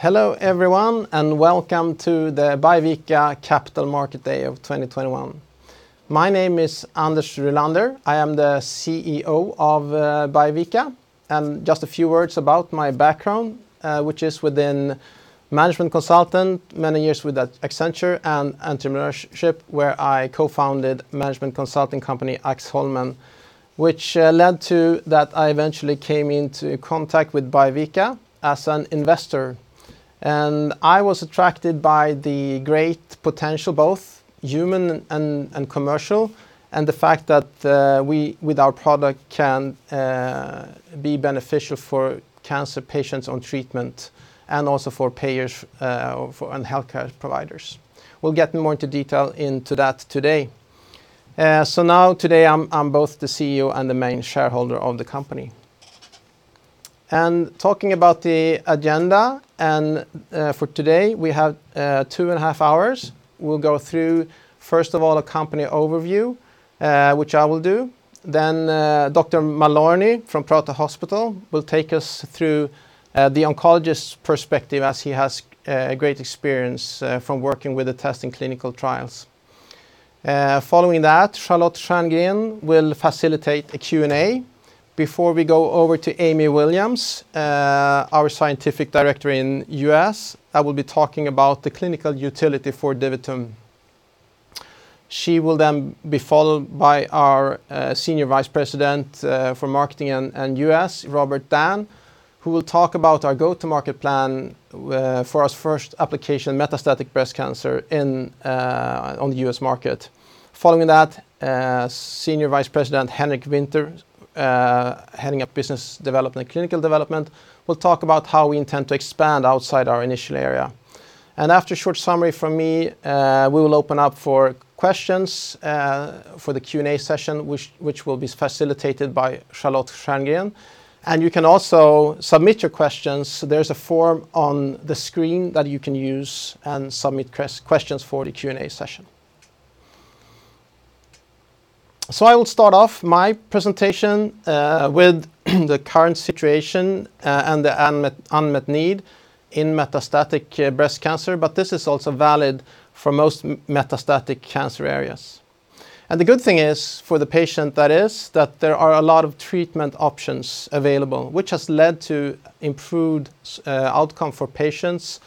Hello everyone, welcome to the Biovica Capital Market Day of 2021. My name is Anders Rylander. I am the CEO of Biovica. Just a few words about my background, which is within management consultant, many years with Accenture, and entrepreneurship, where I co-founded management consulting company Axholmen, which led to that I eventually came into contact with Biovica as an investor. I was attracted by the great potential, both human and commercial, and the fact that we, with our product, can be beneficial for cancer patients on treatment and also for payers and healthcare providers. We'll get more into detail into that today. Now today I'm both the CEO and the main shareholder of the company. Talking about the agenda for today, we have two and a half hours. We'll go through, first of all, a company overview, which I will do. Then Dr. Malorni from Prato Hospital will take us through the oncologist perspective, as he has great experience from working with the test and clinical trials. Following that Charlotte Gylche will facilitate a Q&A before we go over to Amy Williams, our scientific director in U.S., and will be talking about the clinical utility for DiviTum. She will be followed by our Senior Vice President for marketing in U.S., Robert Dann, who will talk about our go-to-market plan for our first application metastatic breast cancer on the U.S. market. Senior Vice President Henrik Winther, heading up business development, clinical development, will talk about how we intend to expand outside our initial area. After a short summary from me, we will open up for questions for the Q&A session, which will be facilitated by Charlotte Gylche. You can also submit your questions, so there's a form on the screen that you can use and submit questions for the Q&A session. I will start off my presentation with the current situation and the unmet need in metastatic breast cancer, but this is also valid for most metastatic cancer areas. The good thing is, for the patient that is, that there are a lot of treatment options available, which has led to improved outcome for patients.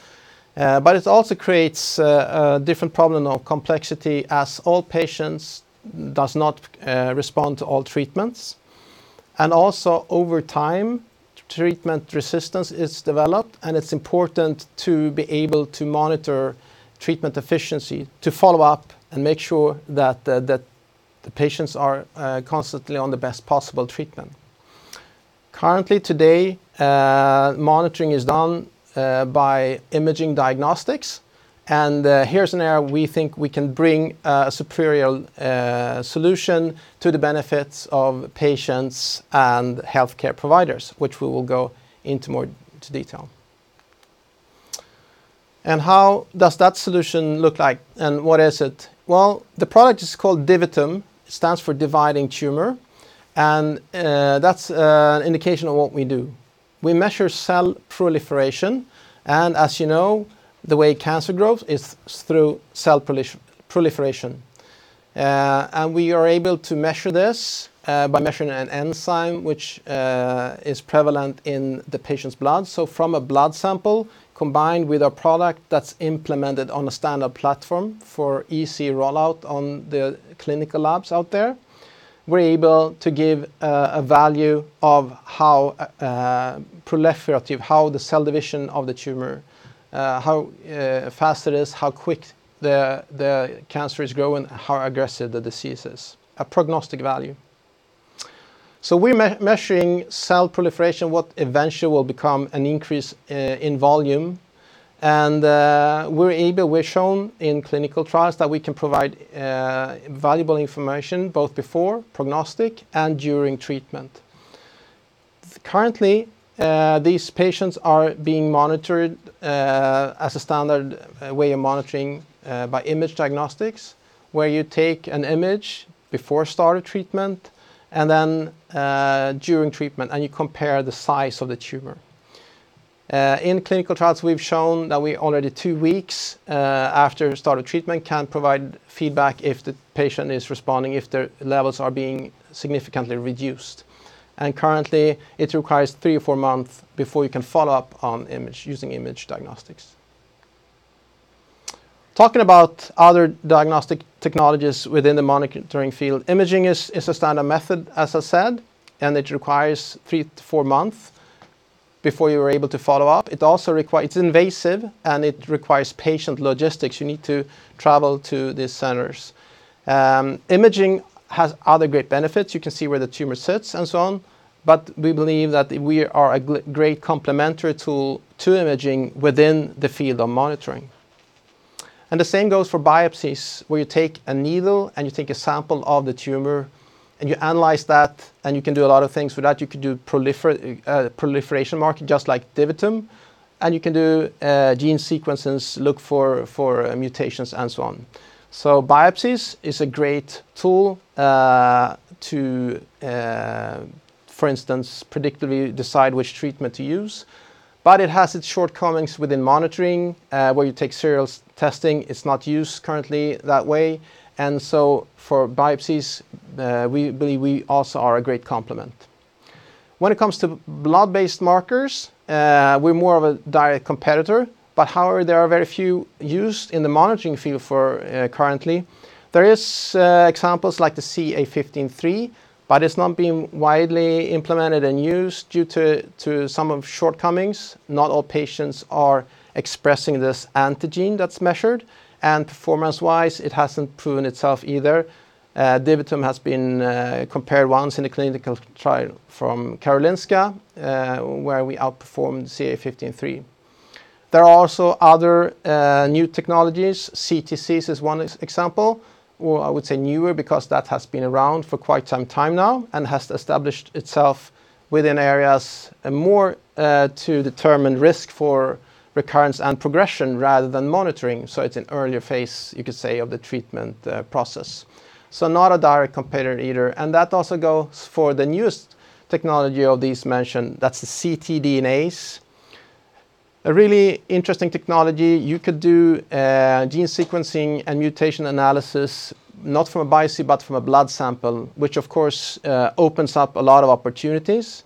It also creates a different problem of complexity, as all patients does not respond to all treatments. Also over time, treatment resistance is developed, and it's important to be able to monitor treatment efficiency to follow up and make sure that the patients are constantly on the best possible treatment. Currently today, monitoring is done by imaging diagnostics. Here is an area we think we can bring a superior solution to the benefits of patients and healthcare providers, which we will go into more detail. How does that solution look like, and what is it? Well, the product is called DiviTum, stands for dividing tumor, and that is an indication of what we do. We measure cell proliferation, and as you know, the way cancer grows is through cell proliferation. We are able to measure this by measuring an enzyme which is prevalent in the patient's blood. From a blood sample combined with a product that is implemented on a standard platform for easy rollout on the clinical labs out there, we are able to give a value of how proliferative, how the cell division of the tumor, how fast it is, how quick the cancer is growing, how aggressive the disease is, a prognostic value. We're measuring cell proliferation, what eventually will become an increase in volume. We've shown in clinical trials that we can provide valuable information both before prognostic and during treatment. Currently, these patients are being monitored as a standard way of monitoring by image diagnostics, where you take an image before start of treatment and then during treatment, and you compare the size of the tumor. In clinical trials, we've shown that we already two weeks after start of treatment can provide feedback if the patient is responding, if their levels are being significantly reduced. Currently, it requires three to four months before you can follow up on image using image diagnostics. Talking about other diagnostic technologies within the monitoring field, imaging is a standard method, as I said, and it requires three to four months before you're able to follow up. It's invasive, and it requires patient logistics. You need to travel to these centers. Imaging has other great benefits. You can see where the tumor sits and so on, but we believe that we are a great complementary tool to imaging within the field of monitoring. The same goes for biopsies, where you take a needle and you take a sample of the tumor and you analyze that, and you can do a lot of things with that. You can do proliferation marking, just like DiviTum, and you can do gene sequences, look for mutations and so on. Biopsies is a great tool to, for instance, predictably decide which treatment to use. It has its shortcomings within monitoring. When you take serial testing, it's not used currently that way. For biopsies, we also are a great complement. When it comes to blood-based markers, we're more of a direct competitor, but however, there are very few used in the monitoring field currently. There is examples like the CA 15-3, but it's not been widely implemented and used due to some shortcomings. Not all patients are expressing this antigen that's measured, and performance-wise, it hasn't proven itself either. DiviTum has been compared once in a clinical trial from Karolinska, where we outperformed CA 15-3. There are also other new technologies. CTCs is one example. I would say newer, because that has been around for quite some time now and has established itself within areas more to determine risk for recurrence and progression rather than monitoring. It's an earlier phase, you could say, of the treatment process. Not a direct competitor either. That also goes for the newest technology of these mentioned, that's the ctDNAs. A really interesting technology. You could do gene sequencing and mutation analysis, not from a biopsy, but from a blood sample, which of course, opens up a lot of opportunities.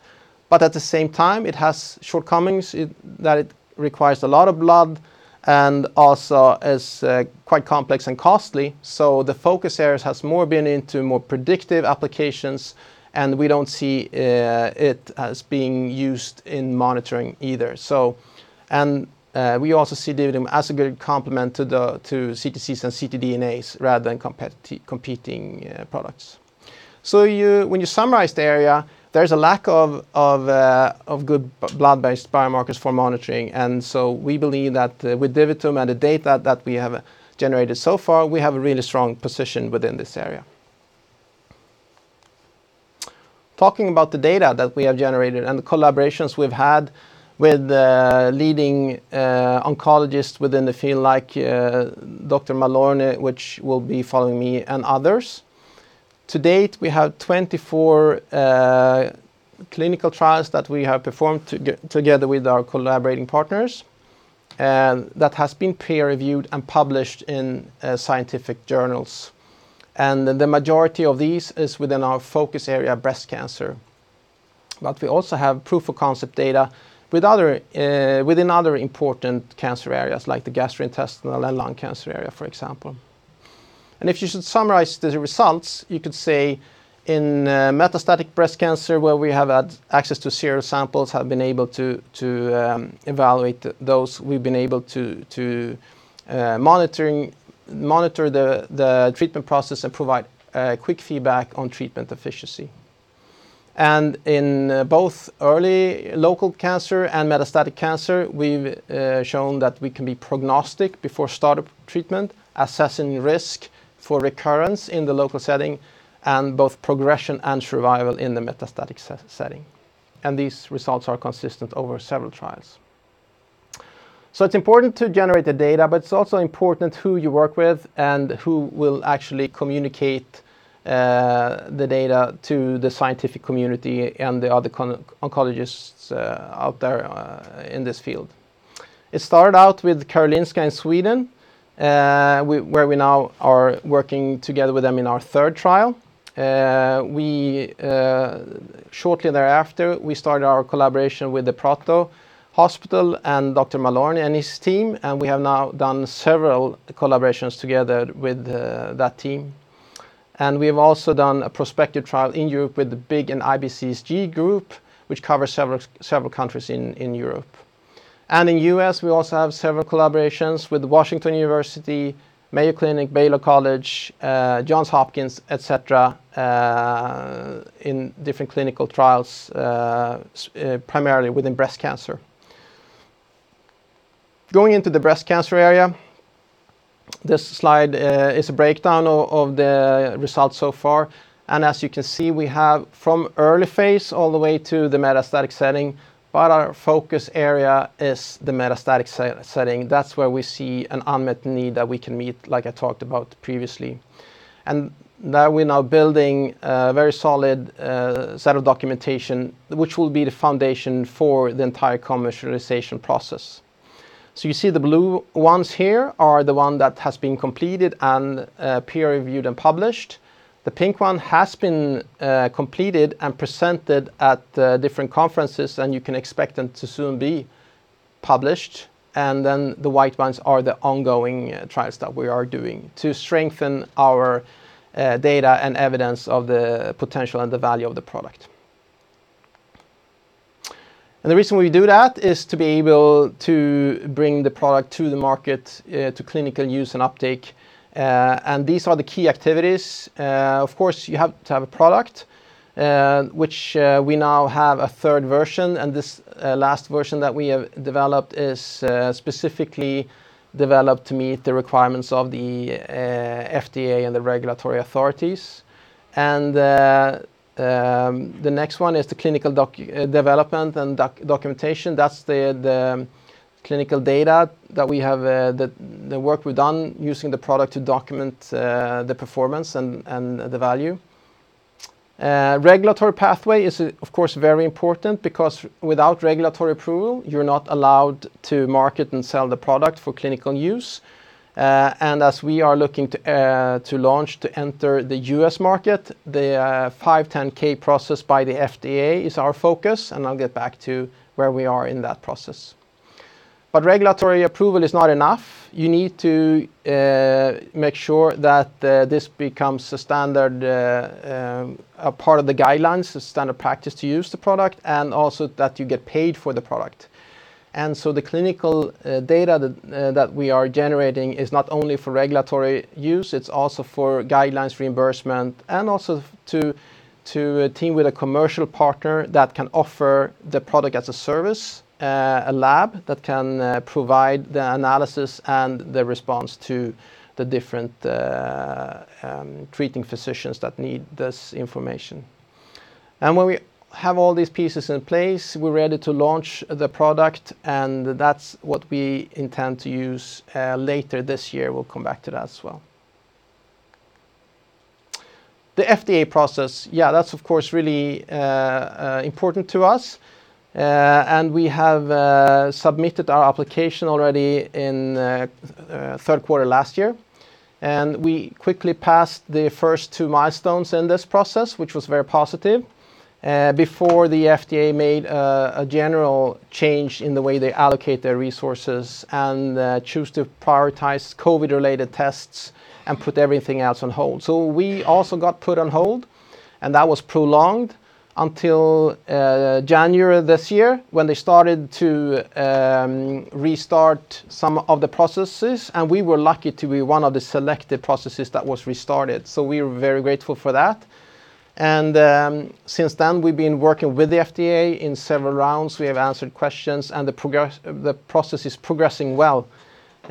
At the same time, it has shortcomings, that it requires a lot of blood and also is quite complex and costly. The focus areas has more been into more predictive applications, and we don't see it as being used in monitoring either. We also see DiviTum as a great complement to CTCs and ctDNAs rather than competing products. When you summarize the area, there's a lack of good blood-based biomarkers for monitoring, and so we believe that with DiviTum and the data that we have generated so far, we have a really strong position within this area. Talking about the data that we have generated and the collaborations we've had with leading oncologists within the field, like Dr. Malorni, which will be following me, and others. To date, we have 24 clinical trials that we have performed together with our collaborating partners, that has been peer-reviewed and published in scientific journals. The majority of these is within our focus area, breast cancer. We also have proof of concept data within other important cancer areas like the gastrointestinal and lung cancer area, for example. If you should summarize the results, you could say in metastatic breast cancer where we have had access to several samples, have been able to evaluate those. We've been able to monitor the treatment process and provide quick feedback on treatment efficiency. In both early local cancer and metastatic cancer, we've shown that we can be prognostic before start of treatment, assessing risk for recurrence in the local setting and both progression and survival in the metastatic setting. These results are consistent over several trials. It's important to generate the data, but it's also important who you work with and who will actually communicate the data to the scientific community and the other oncologists out there in this field. It started out with Karolinska in Sweden, where we now are working together with them in our third trial. Shortly thereafter, we started our collaboration with the Prato Hospital and Dr. Malorni and his team, and we have now done several collaborations together with that team. We've also done a prospective trial in Europe with the big IBCSG group, which covers several countries in Europe. In U.S., we also have several collaborations with Washington University, Mayo Clinic, Baylor College, Johns Hopkins, et cetera, in different clinical trials, primarily within breast cancer. Going into the breast cancer area, this slide is a breakdown of the results so far. As you can see, we have from early phase all the way to the metastatic setting, but our focus area is the metastatic setting. That's where we see an unmet need that we can meet, like I talked about previously. Now we're building a very solid set of documentation, which will be the foundation for the entire commercialization process. You see the blue ones here are the ones that have been completed and peer-reviewed and published. The pink one has been completed and presented at different conferences, and you can expect them to soon be published. The white ones are the ongoing trials that we are doing to strengthen our data and evidence of the potential and the value of the product. The reason we do that is to be able to bring the product to the market to clinical use and uptake. These are the key activities. Of course, you have to have a product, which we now have a third version, and this last version that we have developed is specifically developed to meet the requirements of the FDA and the regulatory authorities. The next one is the clinical development and documentation. That's the clinical data that we have, the work we've done using the product to document the performance and the value. Regulatory pathway is of course very important because without regulatory approval, you're not allowed to market and sell the product for clinical use. As we are looking to launch to enter the U.S. market, the 510(k) process by the FDA is our focus, and I'll get back to where we are in that process. Regulatory approval is not enough. You need to make sure that this becomes a part of the guidelines, the standard practice to use the product, and also that you get paid for the product. The clinical data that we are generating is not only for regulatory use, it's also for guidelines reimbursement and also to team with a commercial partner that can offer the product as a service, a lab that can provide the analysis and the response to the different treating physicians that need this information. When we have all these pieces in place, we're ready to launch the product, and that's what we intend to use later this year. We'll come back to that as well. The FDA process, that's of course really important to us. We have submitted our application already in third quarter last year, and we quickly passed the first two milestones in this process, which was very positive. Before the FDA made a general change in the way they allocate their resources and choose to prioritize COVID-related tests and put everything else on hold. We also got put on hold, and that was prolonged until January this year when they started to restart some of the processes, and we were lucky to be one of the selected processes that was restarted. We are very grateful for that. Since then, we've been working with the FDA in several rounds. We have answered questions, and the process is progressing well.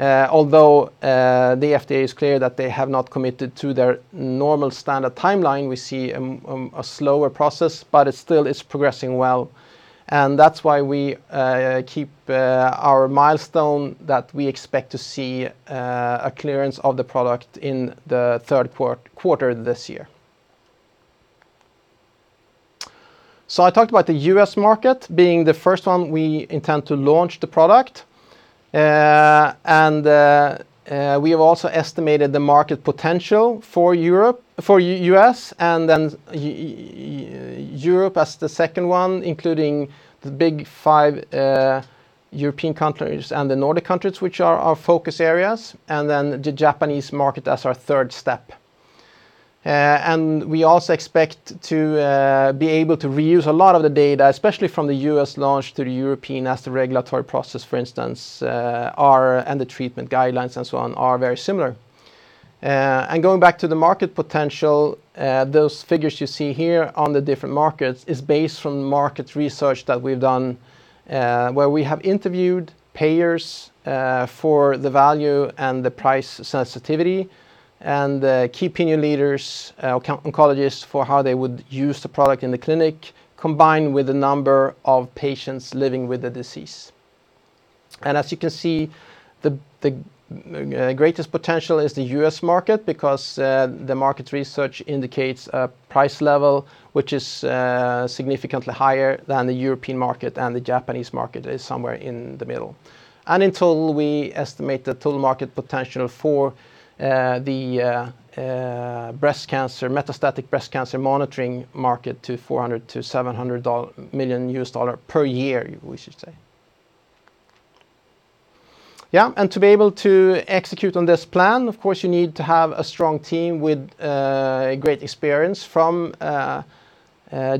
Although the FDA is clear that they have not committed to their normal standard timeline. We see a slower process, but it still is progressing well. That's why we keep our milestone that we expect to see a clearance of the product in the third quarter this year. I talked about the U.S. market being the first one we intend to launch the product. We have also estimated the market potential for U.S. and then Europe as the second one, including the big five European countries and the Nordic countries, which are our focus areas, and then the Japanese market as our third step. We also expect to be able to reuse a lot of the data, especially from the U.S. launch to the European as the regulatory process, for instance, and the treatment guidelines and so on are very similar. Going back to the market potential, those figures you see here on the different markets is based on market research that we've done, where we have interviewed payers for the value and the price sensitivity, and the key opinion leaders, oncologists for how they would use the product in the clinic, combined with the number of patients living with the disease. As you can see, the greatest potential is the U.S. market because the market research indicates a price level which is significantly higher than the European market, and the Japanese market is somewhere in the middle. In total, we estimate the total market potential for the metastatic breast cancer monitoring market to $400 million-$700 million/year, we should say. Yeah. To be able to execute on this plan, of course, you need to have a strong team with great experience from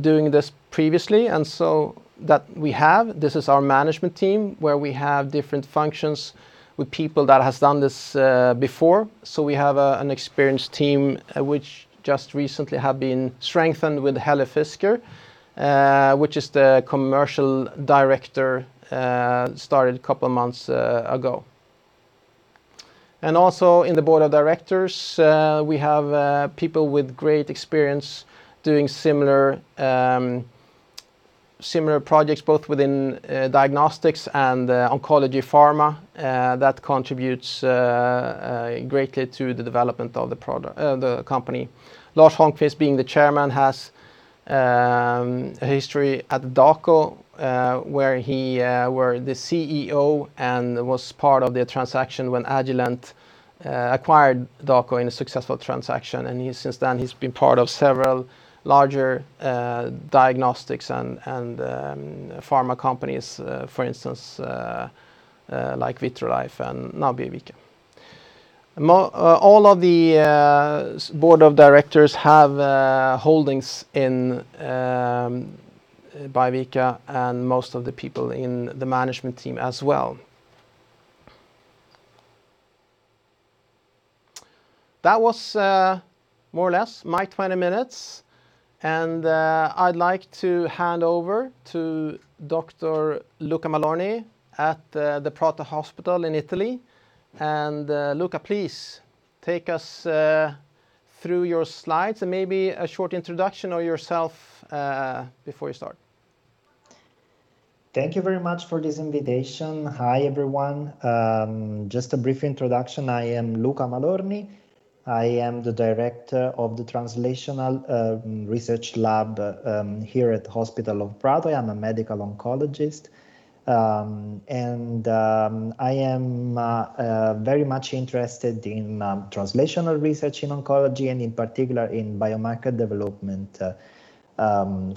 doing this previously. So that we have. This is our management team, where we have different functions with people that have done this before. We have an experienced team which just recently have been strengthened with Helle Fisker, which is the commercial director, started a couple of months ago. Also in the board of directors, we have people with great experience doing similar projects, both within diagnostics and oncology pharma. That contributes greatly to the development of the company. Lars Holmqvist being the chairman, has a history at Dako, where the CEO and was part of the transaction when Agilent acquired Dako in a successful transaction. Since then, he's been part of several larger diagnostics and pharma companies, for instance, like Vitrolife and now Biovica. All of the board of directors have holdings in Biovica and most of the people in the management team as well. That was more or less my 20 minutes, and I'd like to hand over to Dr. Luca Malorni at the Prato Hospital in Italy. Luca, please take us through your slides and maybe a short introduction of yourself before you start. Thank you very much for this invitation. Hi, everyone. Just a brief introduction. I am Luca Malorni. I am the director of the Translational Research Lab here at Hospital of Prato. I'm a medical oncologist. I am very much interested in translational research in oncology, and in particular in biomarker development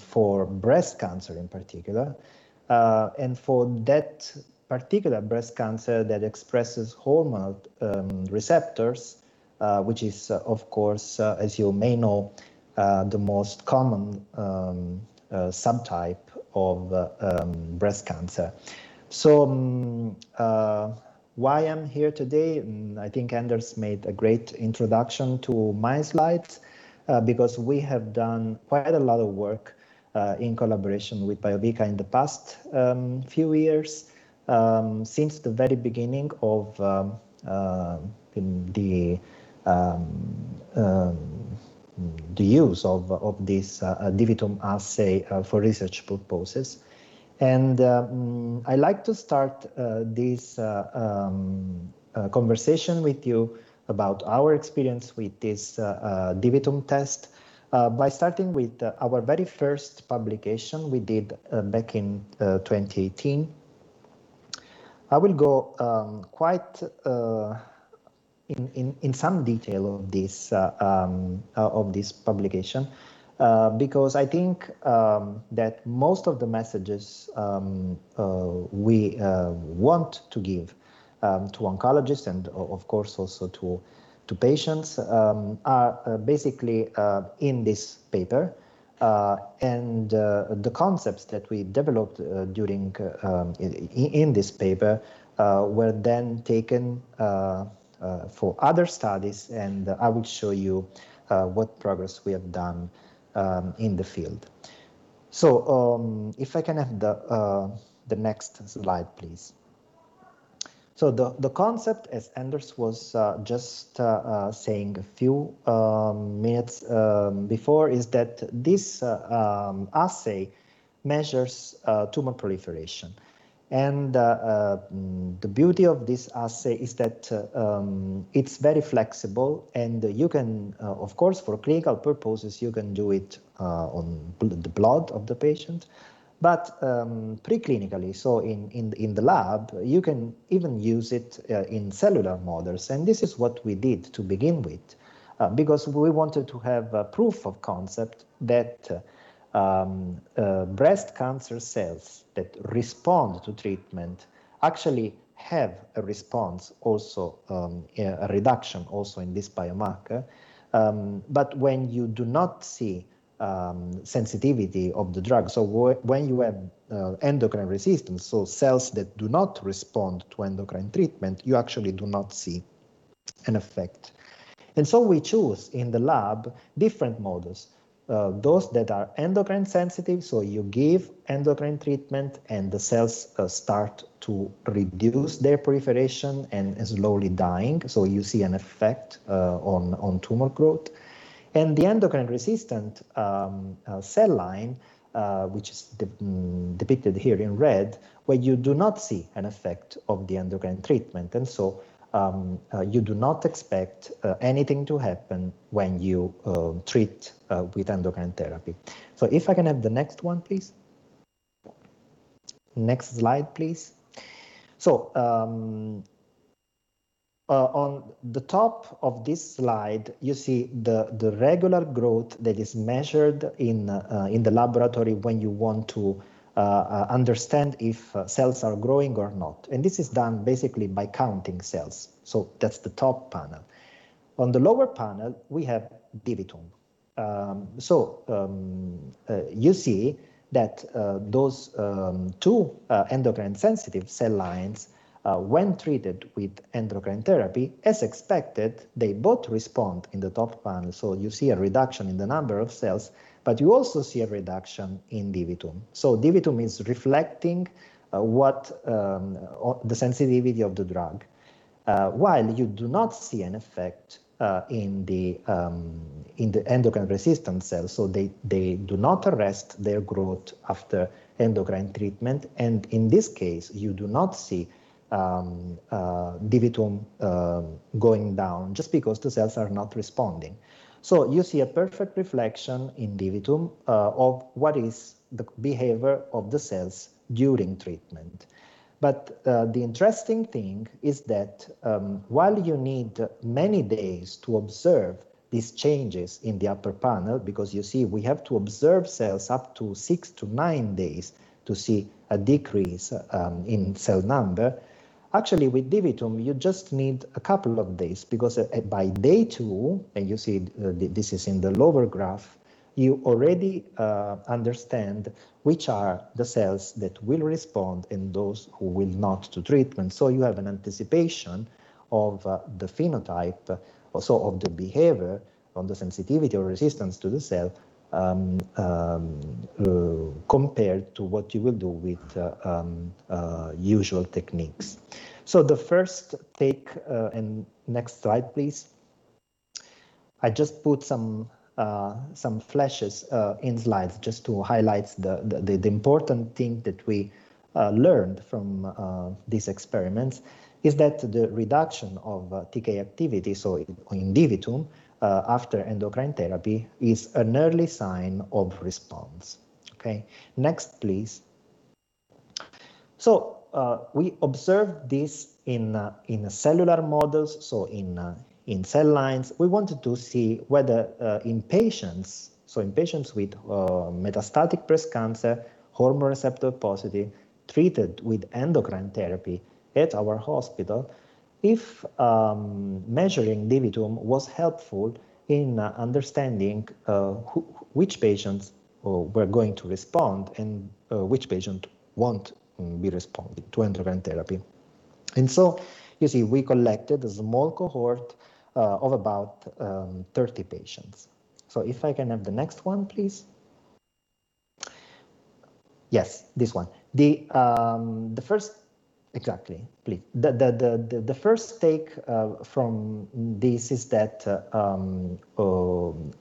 for breast cancer in particular. For that particular breast cancer that expresses hormone receptors, which is, of course, as you may know, the most common subtype of breast cancer. Why I'm here today, I think Anders made a great introduction to my slides, because we have done quite a lot of work in collaboration with Biovica in the past few years, since the very beginning of the use of this DiviTum assay for research purposes. I'd like to start this conversation with you about our experience with this DiviTum test by starting with our very first publication we did back in 2018. I will go in some detail of this publication, because I think that most of the messages we want to give to oncologists and, of course, also to patients are basically in this paper. The concepts that we developed in this paper were then taken for other studies, and I will show you what progress we have done in the field. If I can have the next slide, please. The concept, as Anders was just saying a few minutes before, is that this assay measures tumor proliferation. The beauty of this assay is that it's very flexible, and you can, of course, for clinical purposes, you can do it on the blood of the patient. Pre-clinically, so in the lab, you can even use it in cellular models. This is what we did to begin with, because we wanted to have a proof of concept that breast cancer cells that respond to treatment actually have a response also, a reduction also in this biomarker. When you do not see sensitivity of the drug, so when you have endocrine resistance, so cells that do not respond to endocrine treatment, you actually do not see an effect. We choose in the lab different models. Those that are endocrine sensitive, so you give endocrine treatment and the cells start to reduce their proliferation and slowly dying, so you see an effect on tumor growth. The endocrine-resistant cell line, which is depicted here in red, where you do not see an effect of the endocrine treatment. You do not expect anything to happen when you treat with endocrine therapy. If I can have the next one, please. Next slide, please. On the top of this slide, you see the regular growth that is measured in the laboratory when you want to understand if cells are growing or not. This is done basically by counting cells. That's the top panel. On the lower panel, we have DiviTum. You see that those two endocrine-sensitive cell lines, when treated with endocrine therapy, as expected, they both respond in the top panel. You see a reduction in the number of cells, but you also see a reduction in DiviTum. DiviTum is reflecting what the sensitivity of the drug. While you do not see an effect in the endocrine-resistant cells, so they do not arrest their growth after endocrine treatment, and in this case, you do not see DiviTum going down just because the cells are not responding. You see a perfect reflection in DiviTum of what is the behavior of the cells during treatment. The interesting thing is that while you need many days to observe these changes in the upper panel, because you see we have to observe cells up to six to nine days to see a decrease in cell number. Actually, with DiviTum, you just need a couple of days, because by day two, and you see this is in the lower graph, you already understand which are the cells that will respond and those who will not to treatment. You have an anticipation of the phenotype, so of the behavior, of the sensitivity or resistance to the cell, compared to what you will do with usual techniques. The first take, and next slide please. I just put some flashes in slides just to highlight the important thing that we learned from these experiments is that the reduction of TK activity, so in DiviTum, after endocrine therapy is an early sign of response. Next, please. We observed this in cellular models, so in cell lines. We wanted to see whether in patients, so in patients with metastatic breast cancer, hormone receptor positive, treated with endocrine therapy at our hospital, if measuring DiviTum was helpful in understanding which patients were going to respond and which patient won't be responding to endocrine therapy. You see, we collected a small cohort of about 30 patients. If I can have the next one, please. Yes, this one. Exactly, please. The first take from this is that,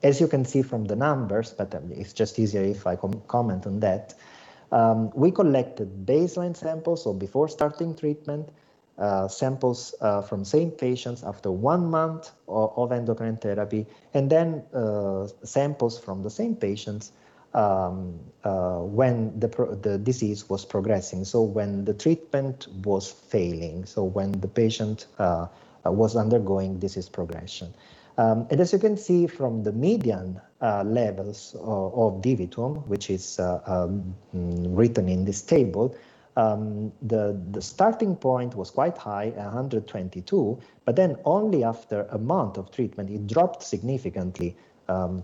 as you can see from the numbers, but it's just easier if I comment on that, we collected baseline samples, so before starting treatment, samples from same patients after one month of endocrine therapy, and then samples from the same patients when the disease was progressing, so when the treatment was failing, so when the patient was undergoing disease progression. As you can see from the median levels of DiviTum, which is written in this table, the starting point was quite high, 122, but then only after a month of treatment, it dropped significantly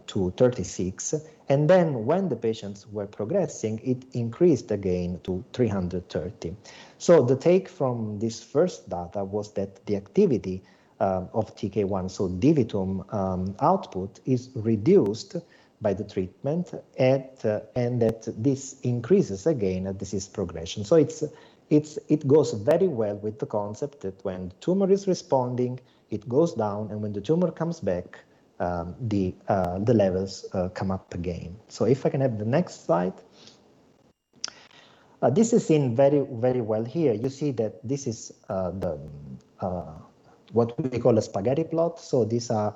to 36. Then when the patients were progressing, it increased again to 330. The take from this first data was that the activity of TK1, DiviTum output, is reduced by the treatment, and that this increases again at disease progression. It goes very well with the concept that when tumor is responding, it goes down, and when the tumor comes back, the levels come up again. If I can have the next slide. This is seen very well here. You see that this is what we call a spaghetti plot. These are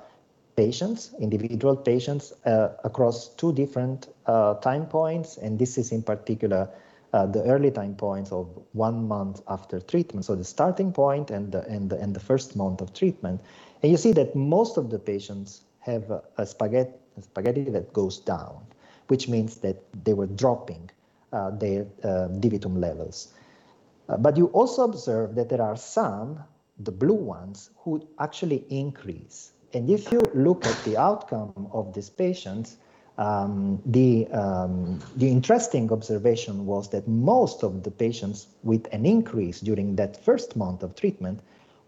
patients, individual patients, across two different time points, and this is in particular the early time points of one month after treatment, the starting point and the first month of treatment. You see that most of the patients have a spaghetti that goes down, which means that they were dropping their DiviTum levels. You also observe that there are some, the blue ones, who actually increase. If you look at the outcome of these patients, the interesting observation was that most of the patients with an increase during that first month of treatment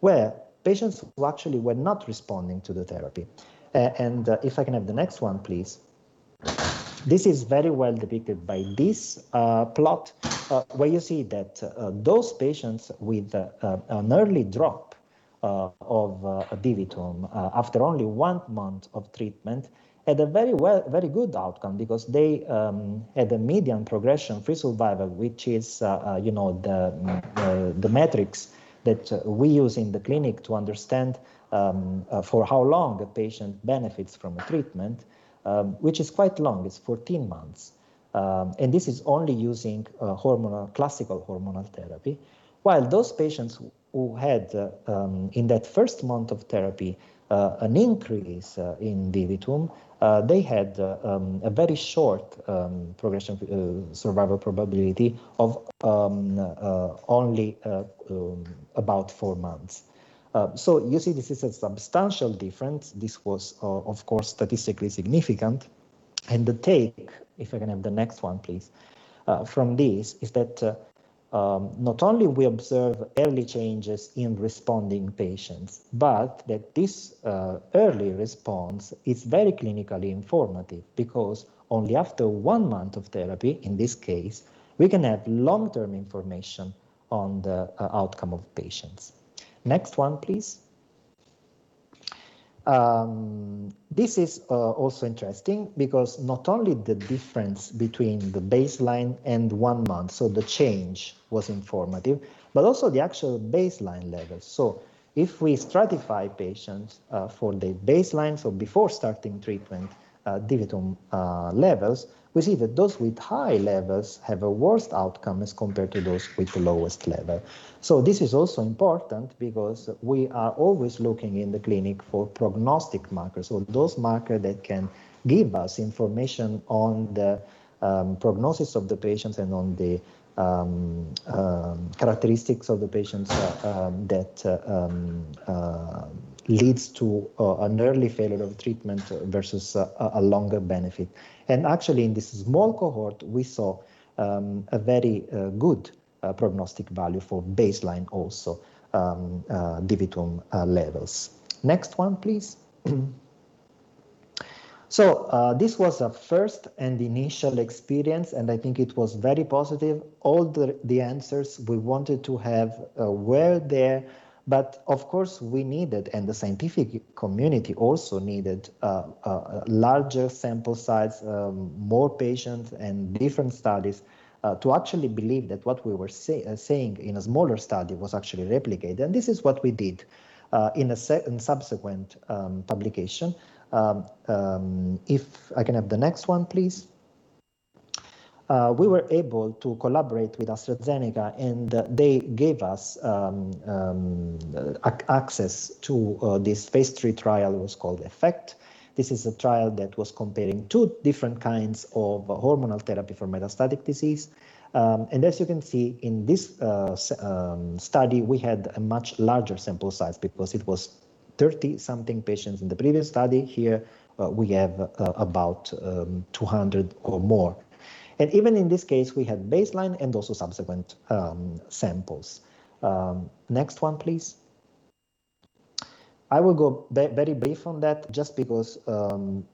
were patients who actually were not responding to the therapy. If I can have the next one, please. This is very well depicted by this plot, where you see that those patients with an early drop of DiviTum after only one month of treatment had a very good outcome because they had a median progression-free survival, which is the metrics that we use in the clinic to understand for how long the patient benefits from treatment, which is quite long. It's 14 months. This is only using classical hormonal therapy. While those patients who had in that first month of therapy an increase in DiviTum, they had a very short progression survival probability of only about four months. You see, this is a substantial difference. This was, of course, statistically significant. The take, if I can have the next one, please, from this is that not only we observe early changes in responding patients, but that this early response is very clinically informative because only after one month of therapy, in this case, we can have long-term information on the outcome of patients. Next one, please. This is also interesting because not only the difference between the baseline and one month, so the change was informative, but also the actual baseline level. If we stratify patients for the baseline, before starting treatment DiviTum levels, we see that those with high levels have a worse outcome as compared to those with the lowest level. This is also important because we are always looking in the clinic for prognostic markers or those marker that can give us information on the prognosis of the patients and on the characteristics of the patients that leads to an early failure of treatment versus a longer benefit. Actually, in this small cohort, we saw a very good prognostic value for baseline also DiviTum levels. Next one, please. This was a first and initial experience, and I think it was very positive. All the answers we wanted to have were there, but of course, we needed, and the scientific community also needed, larger sample size, more patients, and different studies to actually believe that what we were saying in a smaller study was actually replicated. This is what we did in a subsequent publication. If I can have the next one, please. We were able to collaborate with AstraZeneca, and they gave us access to this phase III trial, it was called EFECT. This is a trial that was comparing two different kinds of hormonal therapy for metastatic disease. As you can see in this study, we had a much larger sample size because it was 30 something patients in the previous study. Here, we have about 200 or more. Even in this case, we had baseline and also subsequent samples. Next one, please. I will go very brief on that just because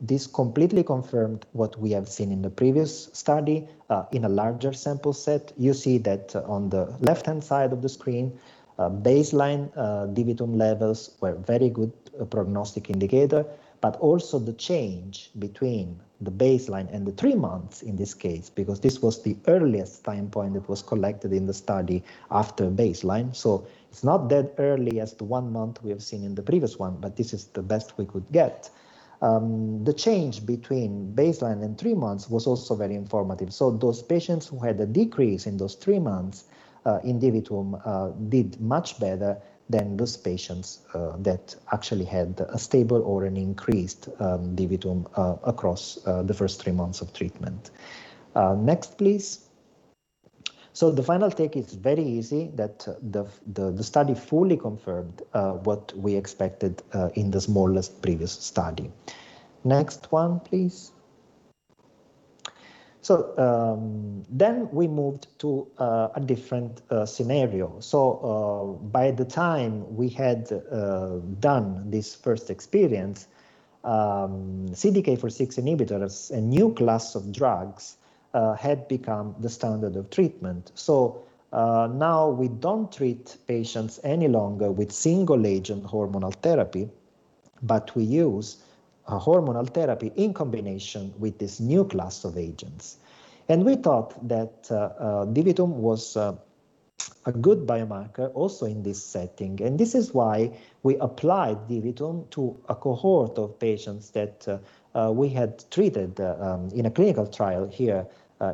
this completely confirmed what we have seen in the previous study, in a larger sample set. You see that on the left-hand side of the screen, baseline DiviTum levels were a very good prognostic indicator, but also the change between the baseline and the three months in this case, because this was the earliest time point that was collected in the study after baseline. It's not that early as the one month we have seen in the previous one, but this is the best we could get. The change between baseline and three months was also very informative. Those patients who had a decrease in those three months in DiviTum did much better than those patients that actually had a stable or an increased DiviTum across the first three months of treatment. Next, please. The final take is very easy, that the study fully confirmed what we expected in the smallest previous study. Next one, please. We moved to a different scenario. By the time we had done this first experience, CDK4/6 inhibitors, a new class of drugs, had become the standard of treatment. Now we don't treat patients any longer with single agent hormonal therapy, but we use hormonal therapy in combination with this new class of agents. We thought that DiviTum was a good biomarker also in this setting. This is why we applied DiviTum to a cohort of patients that we had treated in a clinical trial here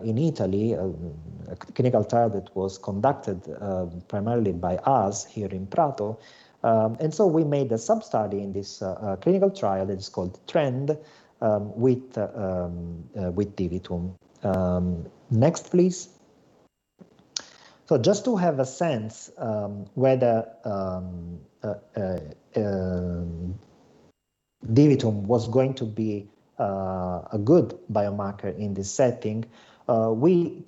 in Italy, a clinical trial that was conducted primarily by us here in Prato. We made a sub-study in this clinical trial, it's called TREND, with DiviTum. Next, please. Just to have a sense whether DiviTum was going to be a good biomarker in this setting, we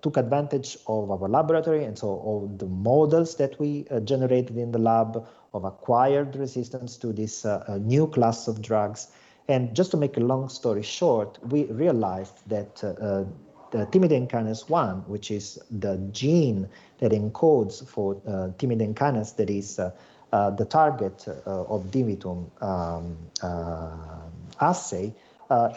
took advantage of our laboratory and so all the models that we generated in the lab of acquired resistance to this new class of drugs. Just to make a long story short, we realized that Thymidine Kinase 1, which is the gene that encodes for thymidine kinase, that is the target of DiviTum assay,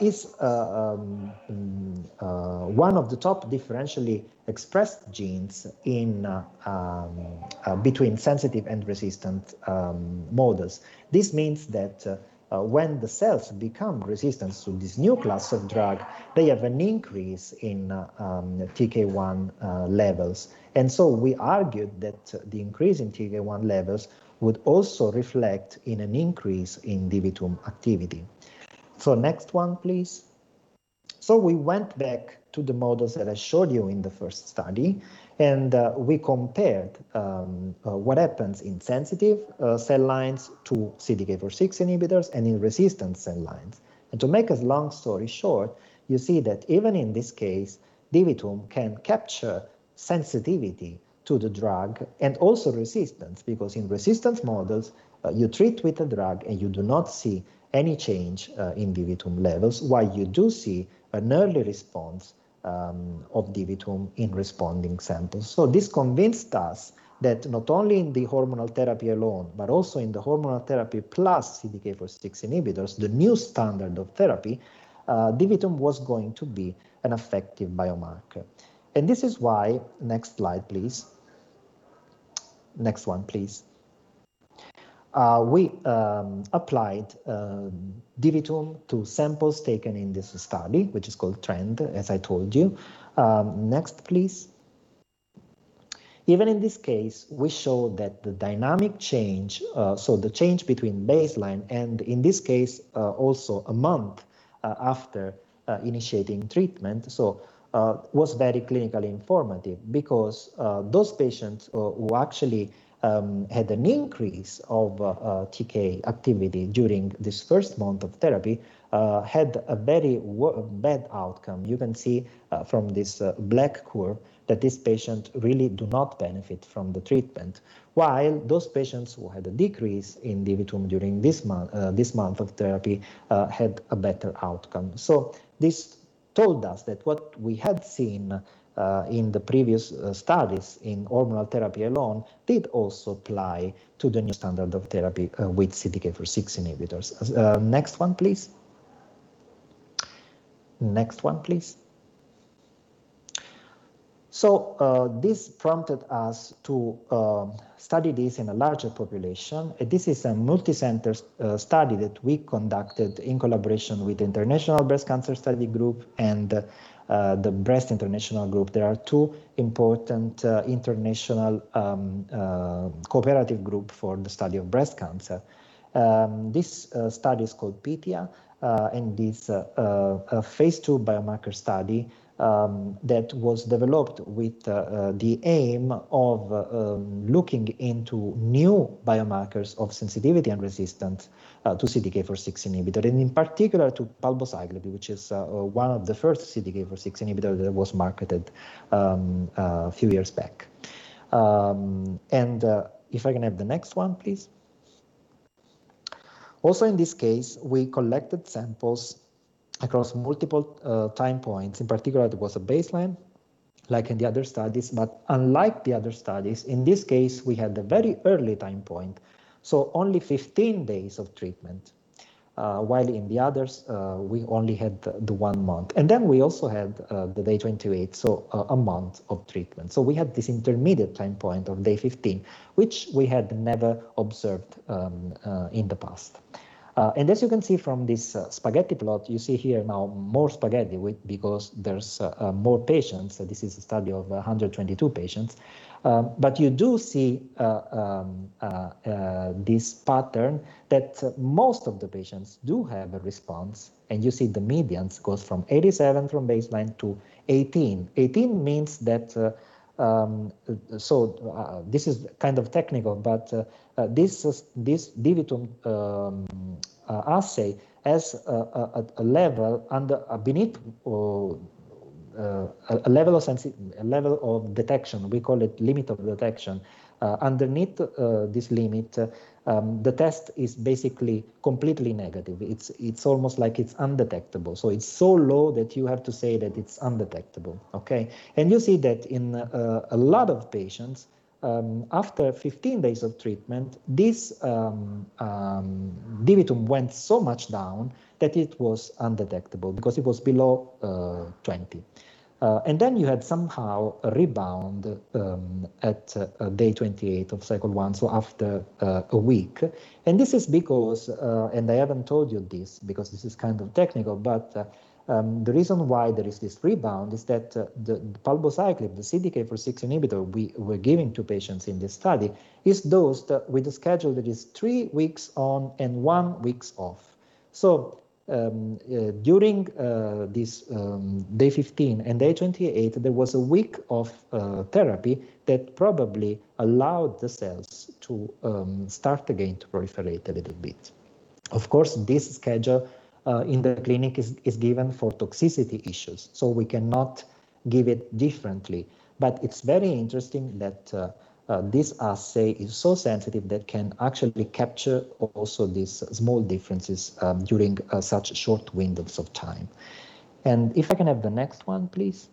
is one of the top differentially expressed genes between sensitive and resistant models. This means that when the cells become resistant to this new class of drug, they have an increase in TK1 levels. We argued that the increase in TK1 levels would also reflect in an increase in DiviTum activity. Next one, please. We went back to the models that I showed you in the first study, and we compared what happens in sensitive cell lines to CDK4/6 inhibitors and in resistant cell lines. To make a long story short, you see that even in this case, DiviTum can capture sensitivity to the drug and also resistance, because in resistance models, you treat with the drug and you do not see any change in DiviTum levels, while you do see an early response of DiviTum in responding samples. This convinced us that not only in the hormonal therapy alone, but also in the hormonal therapy plus CDK4/6 inhibitors, the new standard of therapy, DiviTum was going to be an effective biomarker. This is why, next slide, please. Next one, please. We applied DiviTum to samples taken in this study, which is called TREND, as I told you. Next, please. Even in this case, we showed that the dynamic change, so the change between baseline and in this case, also a month after initiating treatment, was very clinically informative because those patients who actually had an increase of TK activity during this first month of therapy, had a very bad outcome. You can see from this black curve that these patients really do not benefit from the treatment, while those patients who had a decrease in DiviTum during this month of therapy had a better outcome. This told us that what we had seen in the previous studies in hormonal therapy alone did also apply to the new standard of therapy with CDK4/6 inhibitors. Next one, please. Next one, please. This prompted us to study this in a larger population. This is a multi-center study that we conducted in collaboration with International Breast Cancer Study Group and the Breast International Group. They are two important international cooperative group for the study of breast cancer. This study is called PYTHIA, and this phase II biomarker study that was developed with the aim of looking into new biomarkers of sensitivity and resistance to CDK4/6 inhibitor, and in particular to palbociclib, which is one of the first CDK4/6 inhibitor that was marketed a few years back. If I can have the next one, please. Also, in this case, we collected samples across multiple time points. In particular, it was a baseline, like in the other studies. Unlike the other studies, in this case, we had a very early time point, so only 15 days of treatment, while in the others, we only had the one month. We also had the day 28, so a month of treatment. We had this intermediate time point of day 15, which we had never observed in the past. As you can see from this spaghetti plot, you see here now more spaghetti because there is more patients. This is a study of 122 patients. You do see this pattern that most of the patients do have a response, and you see the median goes from 87 from baseline to 18. 18 means that. This is kind of technical, but this DiviTum assay has a level of detection. We call it limit of detection. Underneath this limit, the test is basically completely negative. It is almost like it is undetectable. It is so low that you have to say that it is undetectable. Okay. You see that in a lot of patients, after 15 days of treatment, this DiviTum went so much down that it was undetectable because it was below 20. You had somehow a rebound at day 28 of cycle one, so after a week. This is because, and I haven't told you this because this is kind of technical, but the reason why there is this rebound is that the palbociclib, the CDK4/6 inhibitor we're giving to patients in this study, is dosed with a schedule that is three weeks on and one week off. During this day 15 and day 28, there was a week of therapy that probably allowed the cells to start again to proliferate a little bit. Of course, this schedule in the clinic is given for toxicity issues, so we cannot give it differently. It's very interesting that this assay is so sensitive that it can actually capture also these small differences during such short windows of time. If I can have the next one, please.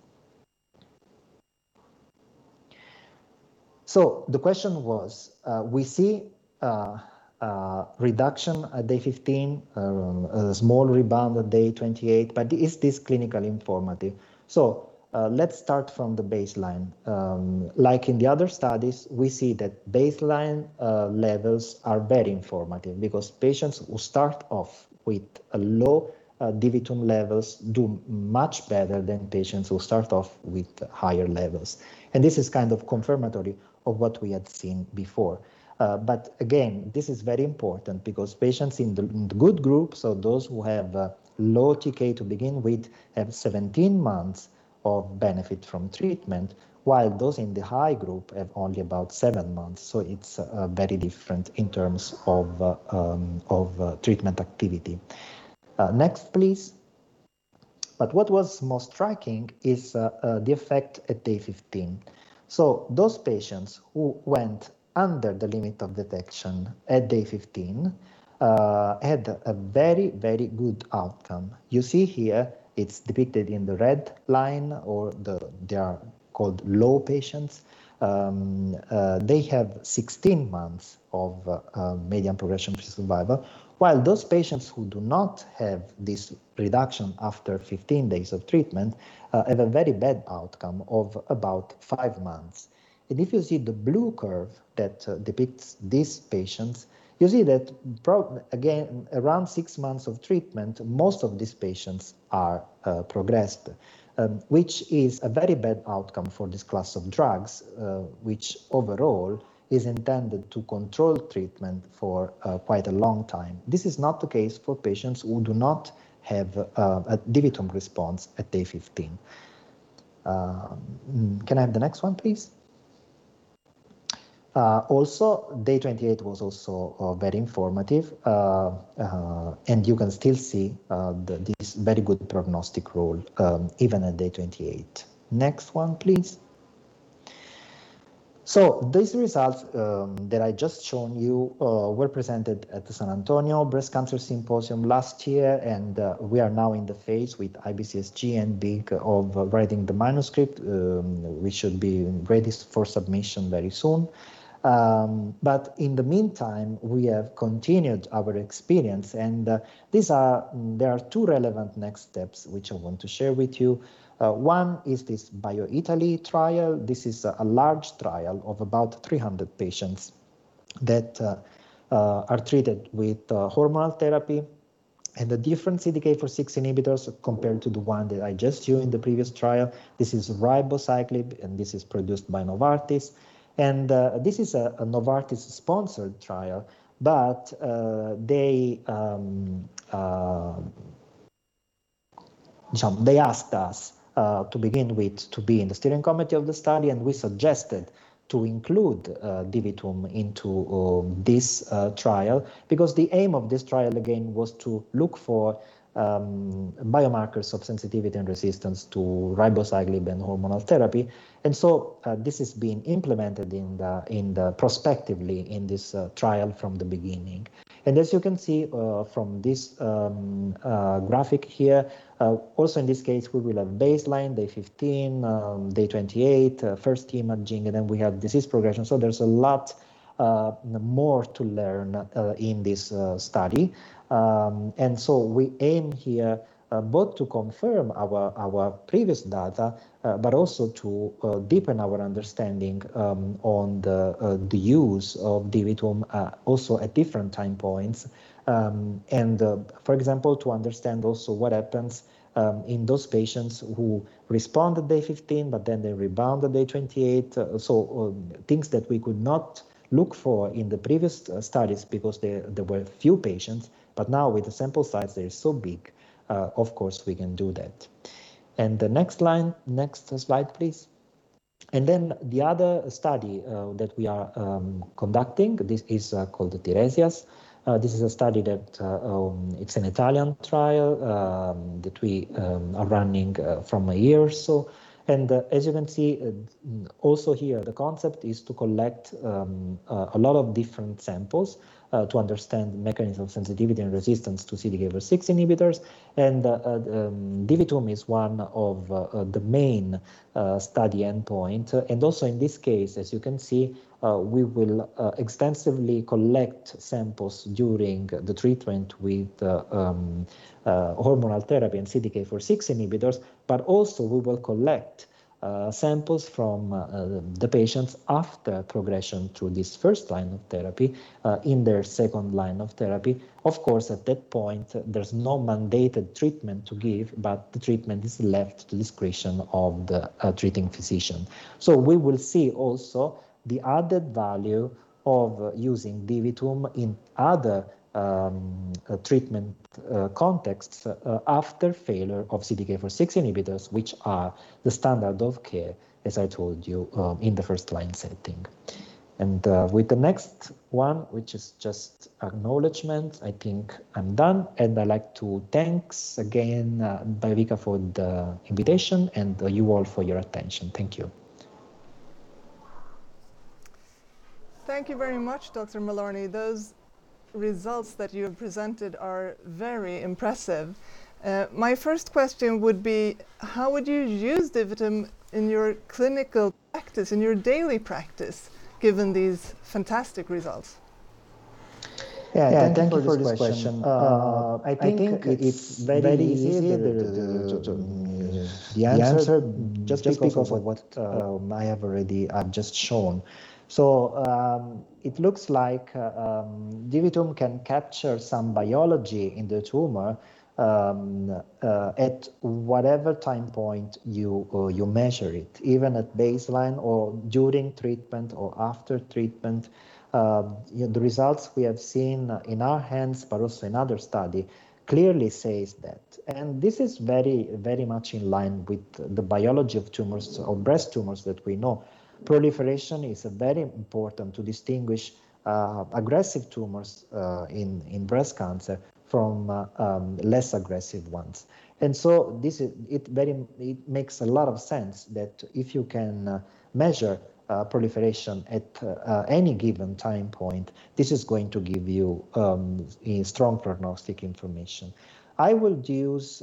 The question was, we see a reduction at day 15, a small rebound at day 28, but is this clinically informative? Let's start from the baseline. Like in the other studies, we see that baseline levels are very informative because patients who start off with low DiviTum levels do much better than patients who start off with higher levels. This is kind of confirmatory of what we had seen before. Again, this is very important because patients in the good group, so those who have low TK to begin with, have 17 months of benefit from treatment, while those in the high group have only about seven months. It's very different in terms of treatment activity. Next, please. What was most striking is the effect at day 15. Those patients who went under the limit of detection at day 15 had a very, very good outcome. You see here it's depicted in the red line, or they are called low patients. They have 16 months of median progression-free survival, while those patients who do not have this reduction after 15 days of treatment have a very bad outcome of about five months. If you see the blue curve that depicts these patients, you see that, again, around six months of treatment, most of these patients are progressed, which is a very bad outcome for this class of drugs which overall is intended to control treatment for quite a long time. This is not the case for patients who do not have a DiviTum response at day 15. Can I have the next one, please? Day 28 was also very informative. You can still see this very good prognostic role even at day 28. Next one, please. These results that I just shown you were presented at the San Antonio Breast Cancer Symposium last year. We are now in the phase with IBCSG and DI of writing the manuscript. We should be ready for submission very soon. In the meantime, we have continued our experience. There are two relevant next steps, which I want to share with you. One is this BioItaLEE trial. This is a large trial of about 300 patients that are treated with hormonal therapy and a different CDK4/6 inhibitors compared to the one that I just showed you in the previous trial. This is ribociclib, and this is produced by Novartis. This is a Novartis sponsored trial, but they asked us to begin with, to be in the steering committee of the study, and we suggested to include DiviTum into this trial because the aim of this trial again was to look for biomarkers of sensitivity and resistance to ribociclib and hormonal therapy. This is being implemented prospectively in this trial from the beginning. As you can see from this graphic here, also in this case, we will have baseline, day 15, day 28, first imaging, and then we have disease progression. There's a lot more to learn in this study. We aim here both to confirm our previous data, but also to deepen our understanding on the use of DiviTum also at different time points. For example, to understand also what happens in those patients who respond at day 15, but then they rebound at day 28. Things that we could not look for in the previous studies because there were few patients, but now with the sample size that is so big, of course, we can do that. The next slide, please. The other study that we are conducting, this is called the TIRESIAS. This is a study that it's an Italian trial that we are running from a year or so. As you can see also here, the concept is to collect a lot of different samples to understand the mechanism of sensitivity and resistance to CDK4/6 inhibitors, and DiviTum is one of the main study endpoint. Also in this case, as you can see, we will extensively collect samples during the treatment with hormonal therapy and CDK4/6 inhibitors, but also we will collect samples from the patients after progression through this first line of therapy, in their second line of therapy. Of course, at that point, there's no mandated treatment to give, but the treatment is left to the discretion of the treating physician. We will see also the added value of using DiviTum in other treatment contexts after failure of CDK4/6 inhibitors, which are the standard of care, as I told you, in the first line setting. With the next one, which is just acknowledgement, I think I'm done. I'd like to thanks again Biovica for the invitation and you all for your attention. Thank you. Thank you very much, Dr. Malorni. Those results that you've presented are very impressive. My first question would be, how would you use DiviTum in your clinical practice, in your daily practice, given these fantastic results? Yeah. Thank you for this question. I think it is very easy, the answer, just because of what I have already just shown. It looks like DiviTum can capture some biology in the tumor at whatever time point you measure it, even at baseline or during treatment or after treatment. The results we have seen in our hands, but also in other study, clearly says that. This is very much in line with the biology of tumors or breast tumors that we know. Proliferation is very important to distinguish aggressive tumors in breast cancer from less aggressive ones. It makes a lot of sense that if you can measure proliferation at any given time point, this is going to give you strong prognostic information. If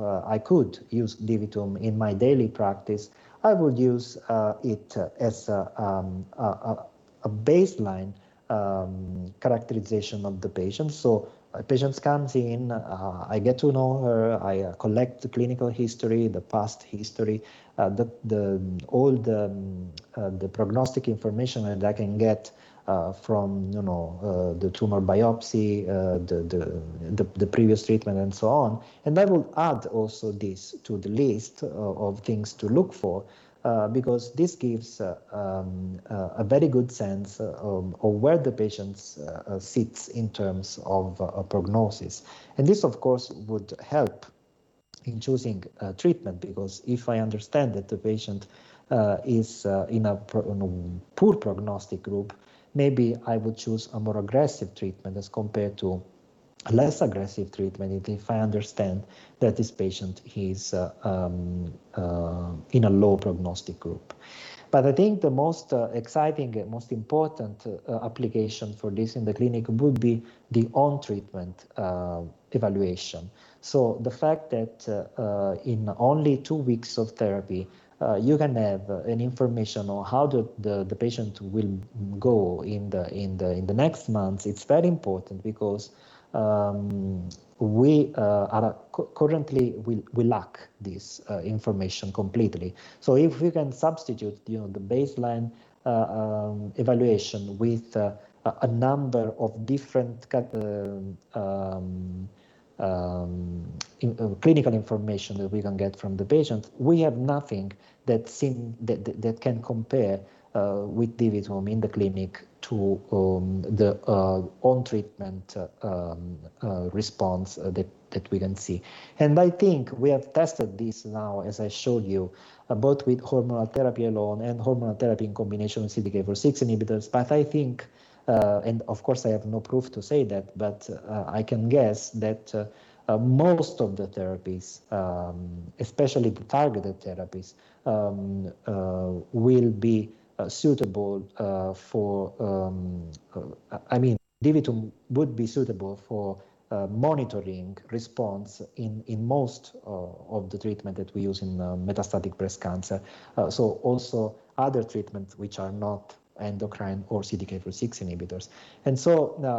I could use DiviTum in my daily practice, I would use it as a baseline characterization of the patient. A patient comes in, I get to know her, I collect the clinical history, the past history, all the prognostic information that I can get from the tumor biopsy, the previous treatment, and so on. I would add also this to the list of things to look for because this gives a very good sense of where the patient sits in terms of prognosis. This, of course, would help in choosing a treatment because if I understand that the patient is in a poor prognostic group, maybe I would choose a more aggressive treatment as compared to a less aggressive treatment if I understand that this patient is in a low prognostic group. I think the most exciting and most important application for this in the clinic would be the on-treatment evaluation. The fact that in only two weeks of therapy, you can have information on how the patient will go in the next months, it's very important because currently, we lack this information completely. If we can substitute the baseline evaluation with a number of different clinical information that we can get from the patients, we have nothing that can compare with DiviTum in the clinic to the on-treatment response that we can see. I think we have tested this now, as I showed you, both with hormonal therapy alone and hormonal therapy in combination with CDK4/6 inhibitors. I think, and of course, I have no proof to say that, but I can guess that most of the therapies, especially the targeted therapies, DiviTum would be suitable for monitoring response in most of the treatment that we use in metastatic breast cancer. Also other treatments which are not endocrine or CDK4/6 inhibitors.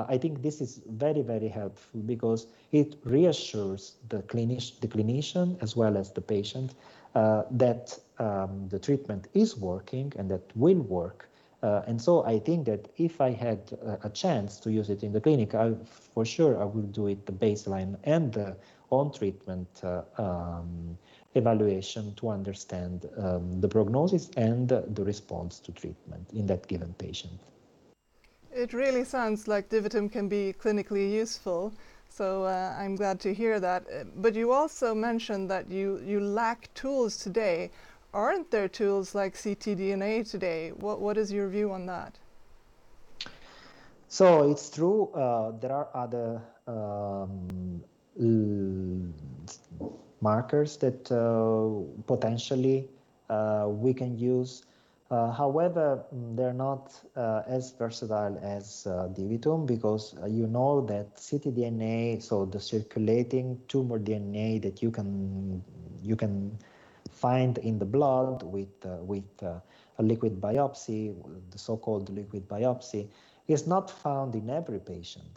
I think this is very, very helpful because it reassures the clinician as well as the patient that the treatment is working and that will work. I think that if I had a chance to use it in the clinic, for sure, I would do it the baseline and the on-treatment evaluation to understand the prognosis and the response to treatment in that given patient. It really sounds like DiviTum can be clinically useful, so I'm glad to hear that. You also mentioned that you lack tools today. Aren't there tools like ctDNA today? What is your view on that? It's true, there are other markers that potentially we can use. However, they're not as versatile as DiviTum because you know that ctDNA, so the circulating tumor DNA that you can find in the blood with a liquid biopsy, the so-called liquid biopsy, is not found in every patient.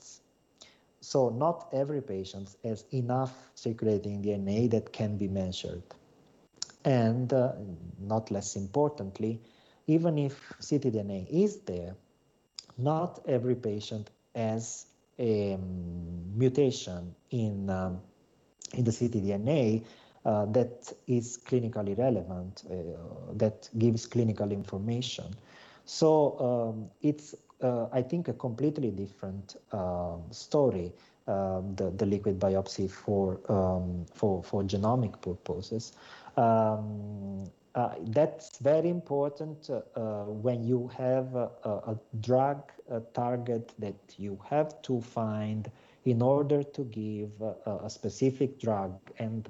Not every patient has enough circulating DNA that can be measured. Not less importantly, even if ctDNA is there, not every patient has a mutation in the ctDNA that is clinically relevant, that gives clinical information. It's, I think, a completely different story, the liquid biopsy for genomic purposes. That's very important when you have a drug target that you have to find in order to give a specific drug.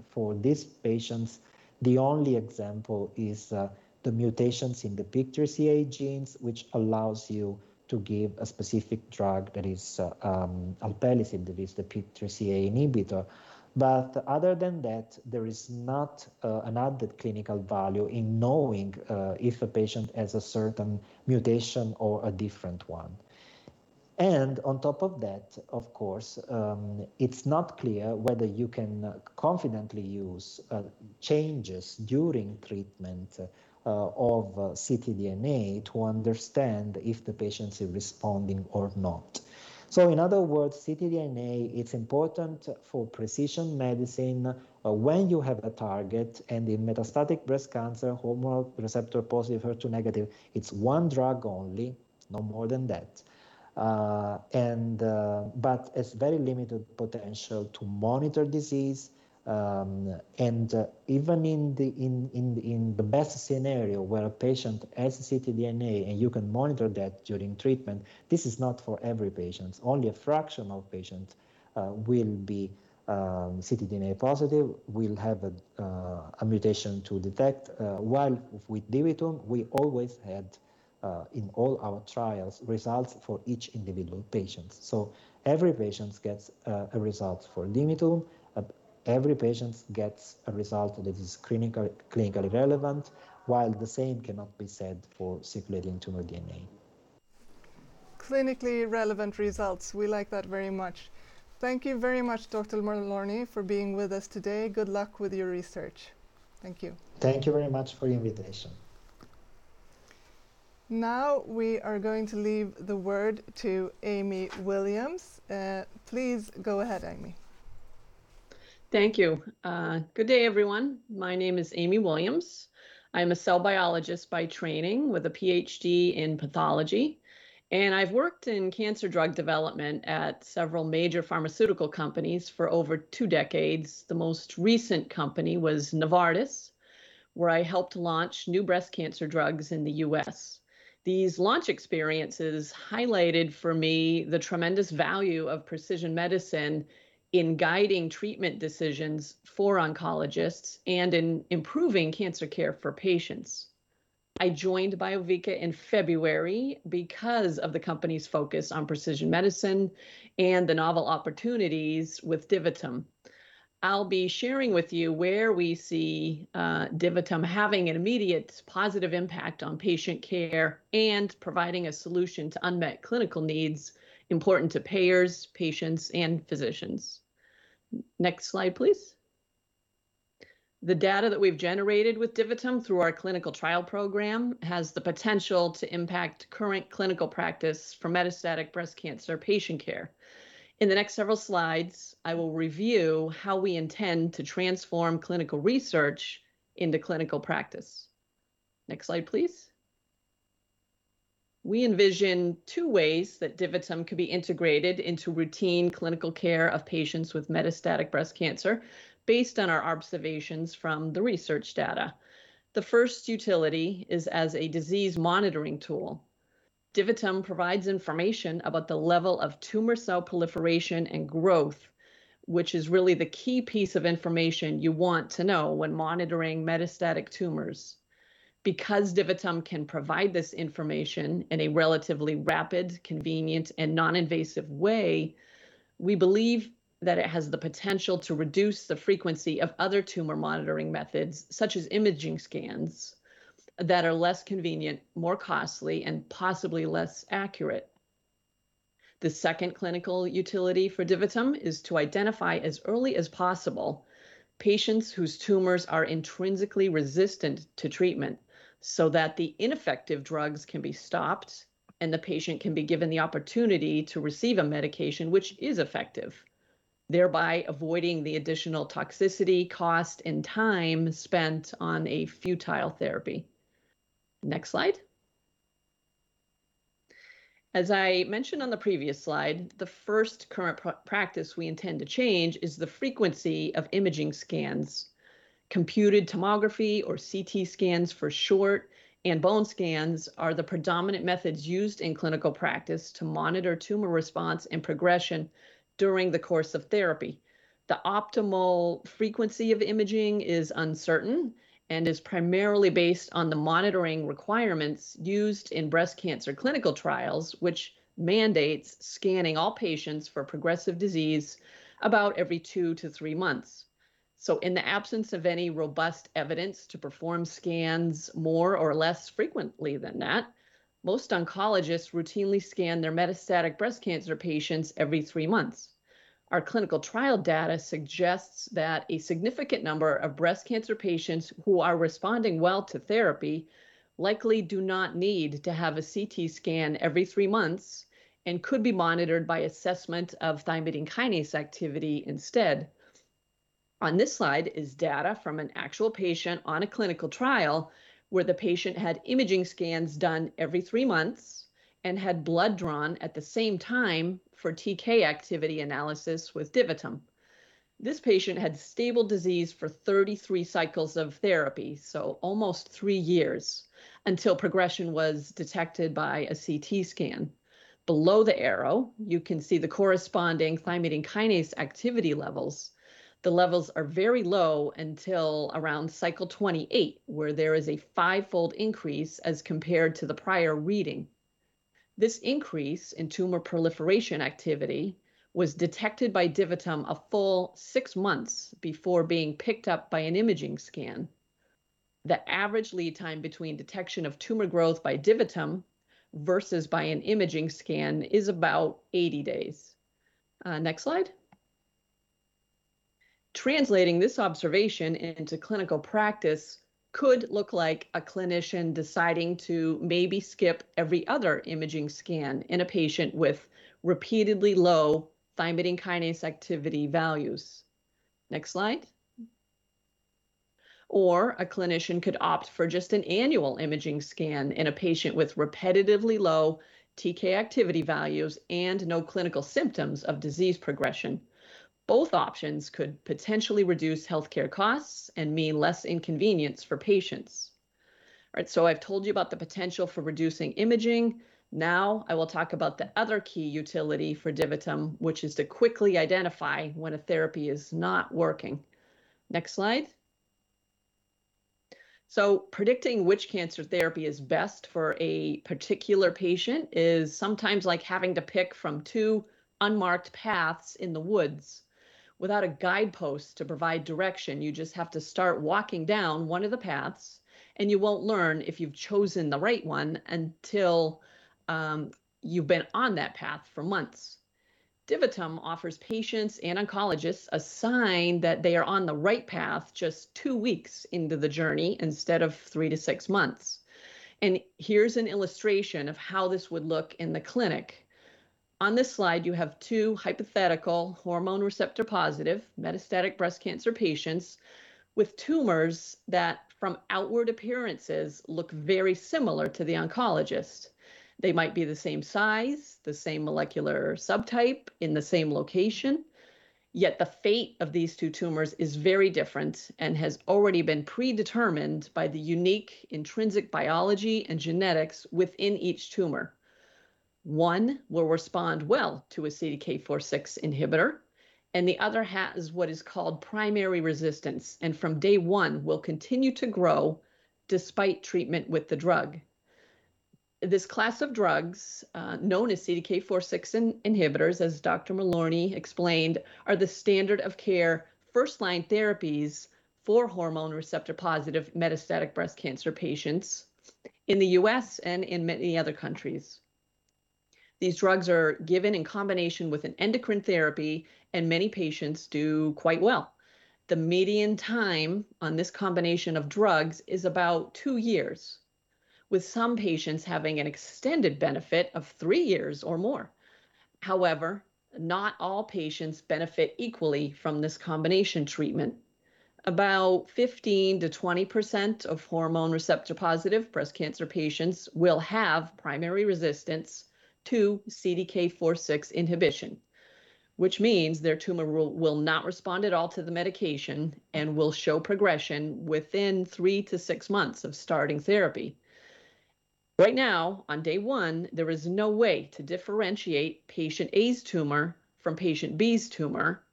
For these patients, the only example is the mutations in the PIK3CA genes, which allows you to give a specific drug that is alpelisib, that is the PIK3CA inhibitor. Other than that, there is not an added clinical value in knowing if a patient has a certain mutation or a different one. On top of that, of course, it's not clear whether you can confidently use changes during treatment of ctDNA to understand if the patient is responding or not. In other words, ctDNA is important for precision medicine when you have a target, and in metastatic breast cancer, hormone receptor-positive, HER2 negative, it's one drug only, no more than that. It's very limited potential to monitor disease. Even in the best scenario where a patient has ctDNA and you can monitor that during treatment, this is not for every patient. Only a fraction of patients will be ctDNA positive, will have a mutation to detect. While with DiviTum, we always had, in all our trials, results for each individual patient. Every patient gets a result for DiviTum, every patient gets a result that is clinically relevant, while the same cannot be said for circulating tumor DNA. Clinically relevant results. We like that very much. Thank you very much, Dr. Malorni, for being with us today. Good luck with your research. Thank you. Thank you very much for your invitation. Now, we are going to leave the word to Amy Williams. Please go ahead, Amy. Thank you. Good day, everyone. My name is Amy Williams. I'm a cell biologist by training with a PhD in pathology, and I've worked in cancer drug development at several major pharmaceutical companies for over two decades. The most recent company was Novartis, where I helped launch new breast cancer drugs in the U.S. These launch experiences highlighted for me the tremendous value of precision medicine in guiding treatment decisions for oncologists and in improving cancer care for patients. I joined Biovica in February because of the company's focus on precision medicine and the novel opportunities with DiviTum. I'll be sharing with you where we see DiviTum having an immediate positive impact on patient care and providing a solution to unmet clinical needs important to payers, patients, and physicians. Next slide, please. The data that we've generated with DiviTum through our clinical trial program has the potential to impact current clinical practice for metastatic breast cancer patient care. In the next several slides, I will review how we intend to transform clinical research into clinical practice. Next slide, please. We envision two ways that DiviTum can be integrated into routine clinical care of patients with metastatic breast cancer based on our observations from the research data. The first utility is as a disease monitoring tool. DiviTum provides information about the level of tumor cell proliferation and growth, which is really the key piece of information you want to know when monitoring metastatic tumors. Because DiviTum can provide this information in a relatively rapid, convenient, and non-invasive way, we believe that it has the potential to reduce the frequency of other tumor monitoring methods, such as imaging scans, that are less convenient, more costly, and possibly less accurate. The second clinical utility for DiviTum is to identify as early as possible patients whose tumors are intrinsically resistant to treatment so that the ineffective drugs can be stopped and the patient can be given the opportunity to receive a medication which is effective, thereby avoiding the additional toxicity, cost, and time spent on a futile therapy. Next slide. As I mentioned on the previous slide, the first current practice we intend to change is the frequency of imaging scans. Computed tomography, or CT scans for short, and bone scans are the predominant methods used in clinical practice to monitor tumor response and progression during the course of therapy. The optimal frequency of imaging is uncertain and is primarily based on the monitoring requirements used in breast cancer clinical trials, which mandates scanning all patients for progressive disease about every two to three months. In the absence of any robust evidence to perform scans more or less frequently than that, most oncologists routinely scan their metastatic breast cancer patients every three months. Our clinical trial data suggests that a significant number of breast cancer patients who are responding well to therapy likely do not need to have a CT scan every three months and could be monitored by assessment of thymidine kinase activity instead. On this slide is data from an actual patient on a clinical trial where the patient had imaging scans done every three months and had blood drawn at the same time for TK activity analysis with DiviTum. This patient had stable disease for 33 cycles of therapy, so almost three years, until progression was detected by a CT scan. Below the arrow, you can see the corresponding thymidine kinase activity levels. The levels are very low until around cycle 28, where there is a fivefold increase as compared to the prior reading. This increase in tumor proliferation activity was detected by DiviTum a full six months before being picked up by an imaging scan. The average lead time between detection of tumor growth by DiviTum versus by an imaging scan is about 80 days. Next slide. Translating this observation into clinical practice could look like a clinician deciding to maybe skip every other imaging scan in a patient with repeatedly low thymidine kinase activity values. Next slide, or a clinician could opt for just an annual imaging scan in a patient with repetitively low TK activity values and no clinical symptoms of disease progression. Both options could potentially reduce healthcare costs and mean less inconvenience for patients. I've told you about the potential for reducing imaging. Now I will talk about the other key utility for DiviTum, which is to quickly identify when a therapy is not working. Next slide. Predicting which cancer therapy is best for a particular patient is sometimes like having to pick from two unmarked paths in the woods. Without a guidepost to provide direction, you just have to start walking down one of the paths, and you won't learn if you've chosen the right one until you've been on that path for months. DiviTum offers patients and oncologists a sign that they are on the right path just two weeks into the journey instead of three to six months. Here's an illustration of how this would look in the clinic. On this slide, you have two hypothetical hormone receptor-positive metastatic breast cancer patients with tumors that from outward appearances look very similar to the oncologist. They might be the same size, the same molecular subtype, in the same location. Yet the fate of these two tumors is very different and has already been predetermined by the unique intrinsic biology and genetics within each tumor. One will respond well to a CDK4/6 inhibitor, and the other half is what is called primary resistance, and from day one will continue to grow despite treatment with the drug. This class of drugs, known as CDK4/6 inhibitors, as Dr. Malorni explained, are the standard of care first-line therapies for hormone receptor-positive metastatic breast cancer patients in the U.S. and in many other countries. These drugs are given in combination with an endocrine therapy, and many patients do quite well. The median time on this combination of drugs is about two years, with some patients having an extended benefit of three years or more. However, not all patients benefit equally from this combination treatment. About 15%-20% of hormone receptor-positive breast cancer patients will have primary resistance to CDK4/6 inhibition, which means their tumor will not respond at all to the medication and will show progression within three to six months of starting therapy. Right now, on day one, there is no way to differentiate patient A's tumor from patient B's tumor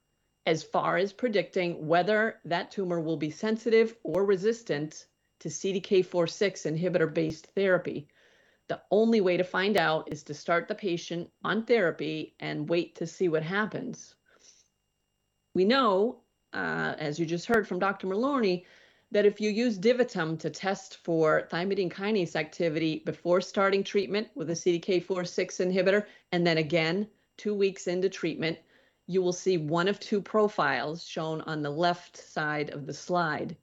as far as predicting whether that tumor will be sensitive or resistant to CDK4/6 inhibitor-based therapy. The only way to find out is to start the patient on therapy and wait to see what happens. We know, as you just heard from Dr. Malorni, that if you use DiviTum to test for thymidine kinase activity before starting treatment with a CDK4/6 inhibitor, and then again two weeks into treatment, you will see one of two profiles shown on the left side of the slide.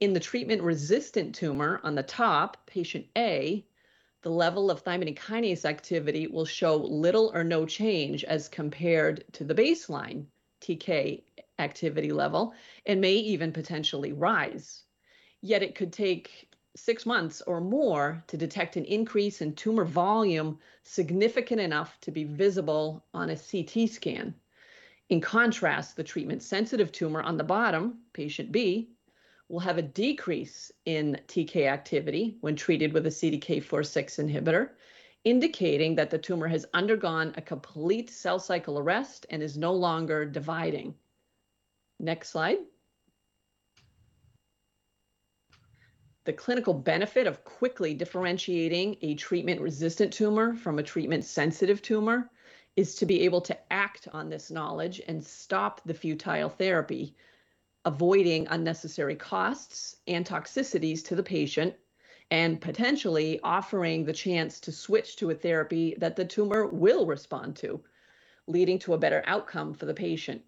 In the treatment-resistant tumor on the top, patient A, the level of thymidine kinase activity will show little or no change as compared to the baseline TK activity level, and may even potentially rise. Yet it could take six months or more to detect an increase in tumor volume significant enough to be visible on a CT scan. In contrast, the treatment-sensitive tumor on the bottom, patient B, will have a decrease in TK activity when treated with a CDK4/6 inhibitor, indicating that the tumor has undergone a complete cell cycle arrest and is no longer dividing. Next slide. The clinical benefit of quickly differentiating a treatment-resistant tumor from a treatment-sensitive tumor is to be able to act on this knowledge and stop the futile therapy, avoiding unnecessary costs and toxicities to the patient, and potentially offering the chance to switch to a therapy that the tumor will respond to, leading to a better outcome for the patient.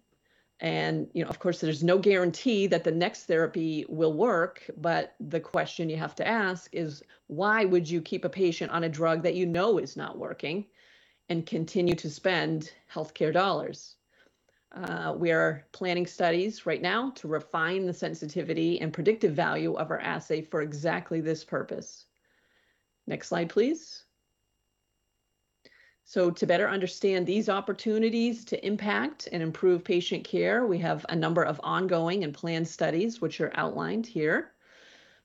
Of course, there's no guarantee that the next therapy will work, but the question you have to ask is why would you keep a patient on a drug that you know is not working and continue to spend healthcare dollars? We are planning studies right now to refine the sensitivity and predictive value of our assay for exactly this purpose. Next slide, please. To better understand these opportunities to impact and improve patient care, we have a number of ongoing and planned studies which are outlined here.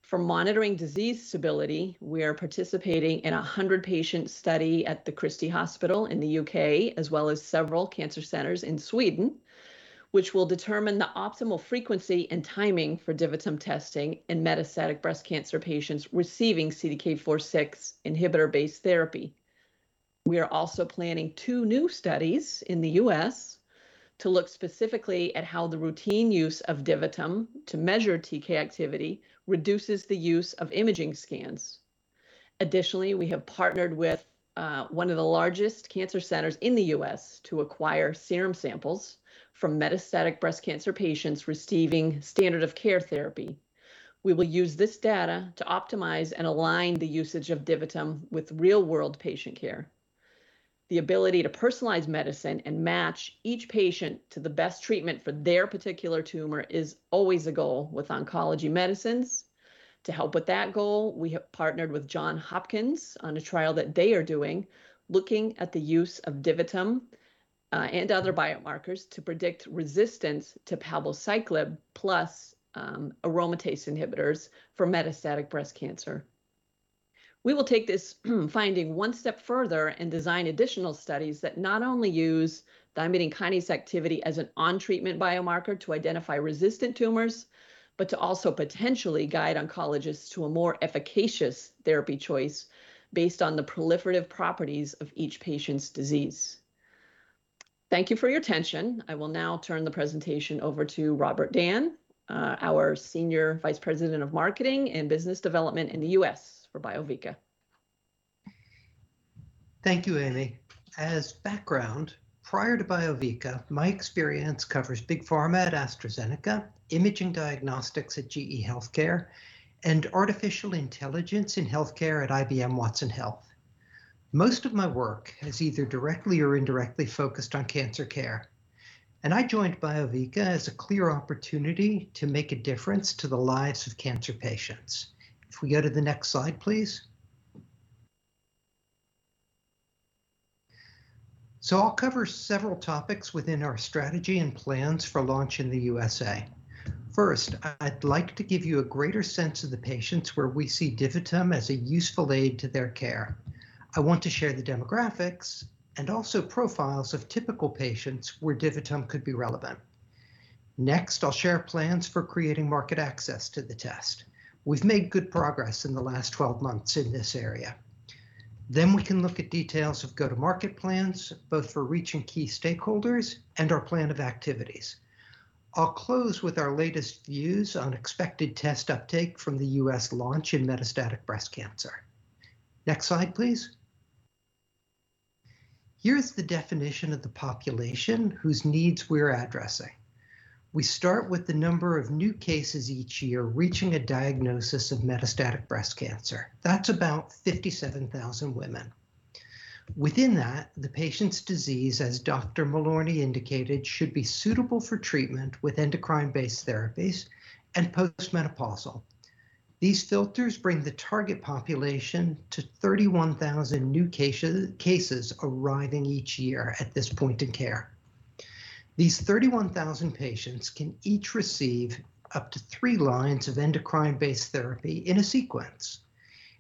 For monitoring disease stability, we are participating in a 100-patient study at The Christie Hospital in the U.K., as well as several cancer centers in Sweden, which will determine the optimal frequency and timing for DiviTum testing in metastatic breast cancer patients receiving CDK4/6 inhibitor-based therapy. We are also planning two new studies in the U.S. to look specifically at how the routine use of DiviTum to measure TK activity reduces the use of imaging scans. Additionally, we have partnered with one of the largest cancer centers in the U.S. to acquire serum samples from metastatic breast cancer patients receiving standard of care therapy. We will use this data to optimize and align the usage of DiviTum with real-world patient care. The ability to personalize medicine and match each patient to the best treatment for their particular tumor is always a goal with oncology medicines. To help with that goal, we have partnered with Johns Hopkins on a trial that they are doing, looking at the use of DiviTum and other biomarkers to predict resistance to palbociclib plus aromatase inhibitors for metastatic breast cancer. We will take this finding one step further and design additional studies that not only use thymidine kinase activity as an on-treatment biomarker to identify resistant tumors, but to also potentially guide oncologists to a more efficacious therapy choice based on the proliferative properties of each patient's disease. Thank you for your attention. I will now turn the presentation over to Robert Dann, our Senior Vice President of Marketing and Business Development in the U.S. for Biovica. Thank you, Amy. As background, prior to Biovica, my experience covers big pharma at AstraZeneca, imaging diagnostics at GE HealthCare, and artificial intelligence in healthcare at IBM Watson Health. Most of my work has either directly or indirectly focused on cancer care. I joined Biovica as a clear opportunity to make a difference to the lives of cancer patients. If we go to the next slide, please. I'll cover several topics within our strategy and plans for launch in the USA. First, I'd like to give you a greater sense of the patients where we see DiviTum as a useful aid to their care. I want to share the demographics and also profiles of typical patients where DiviTum could be relevant. Next, I'll share plans for creating market access to the test. We've made good progress in the last 12 months in this area. We can look at details of go-to-market plans, both for reaching key stakeholders and our plan of activities. I'll close with our latest views on expected test uptake from the U.S. launch in metastatic breast cancer. Next slide, please. Here's the definition of the population whose needs we're addressing. We start with the number of new cases each year reaching a diagnosis of metastatic breast cancer. That's about 57,000 women. Within that, the patient's disease, as Dr. Malorni indicated, should be suitable for treatment with endocrine-based therapies and post-menopausal. These filters bring the target population to 31,000 new cases arriving each year at this point in care. These 31,000 patients can each receive up to three lines of endocrine-based therapy in a sequence.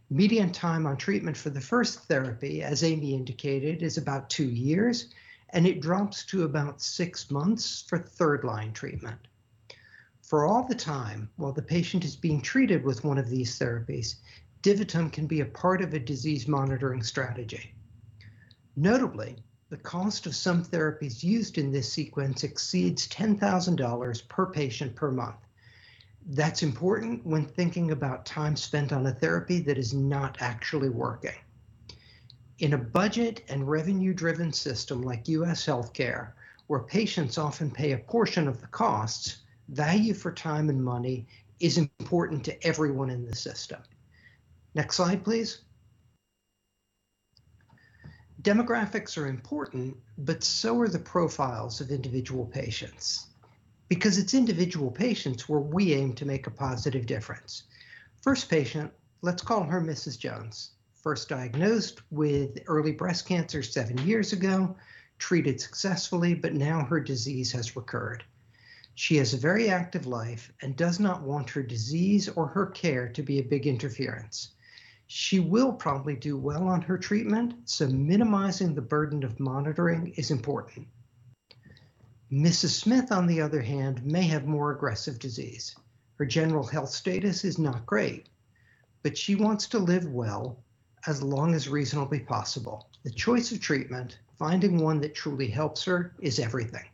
Median time on treatment for the first therapy, as Amy indicated, is about two years, and it drops to about six months for third-line treatment. For all the time while the patient is being treated with one of these therapies, DiviTum can be a part of a disease monitoring strategy. Notably, the cost of some therapies used in this sequence exceeds $10,000/patient per month. That's important when thinking about time spent on a therapy that is not actually working. In a budget and revenue-driven system like U.S. healthcare, where patients often pay a portion of the costs, value for time and money is important to everyone in the system. Next slide, please. Demographics are important, but so are the profiles of individual patients, because it's individual patients where we aim to make a positive difference. First patient, let's call her Mrs. Jones, first diagnosed with early breast cancer seven years ago, treated successfully, but now her disease has recurred. She has a very active life and does not want her disease or her care to be a big interference. She will probably do well on her treatment, so minimizing the burden of monitoring is important. Mrs. Smith, on the other hand, may have more aggressive disease. Her general health status is not great, but she wants to live well as long as reasonably possible. The choice of treatment, finding one that truly helps her, is everything.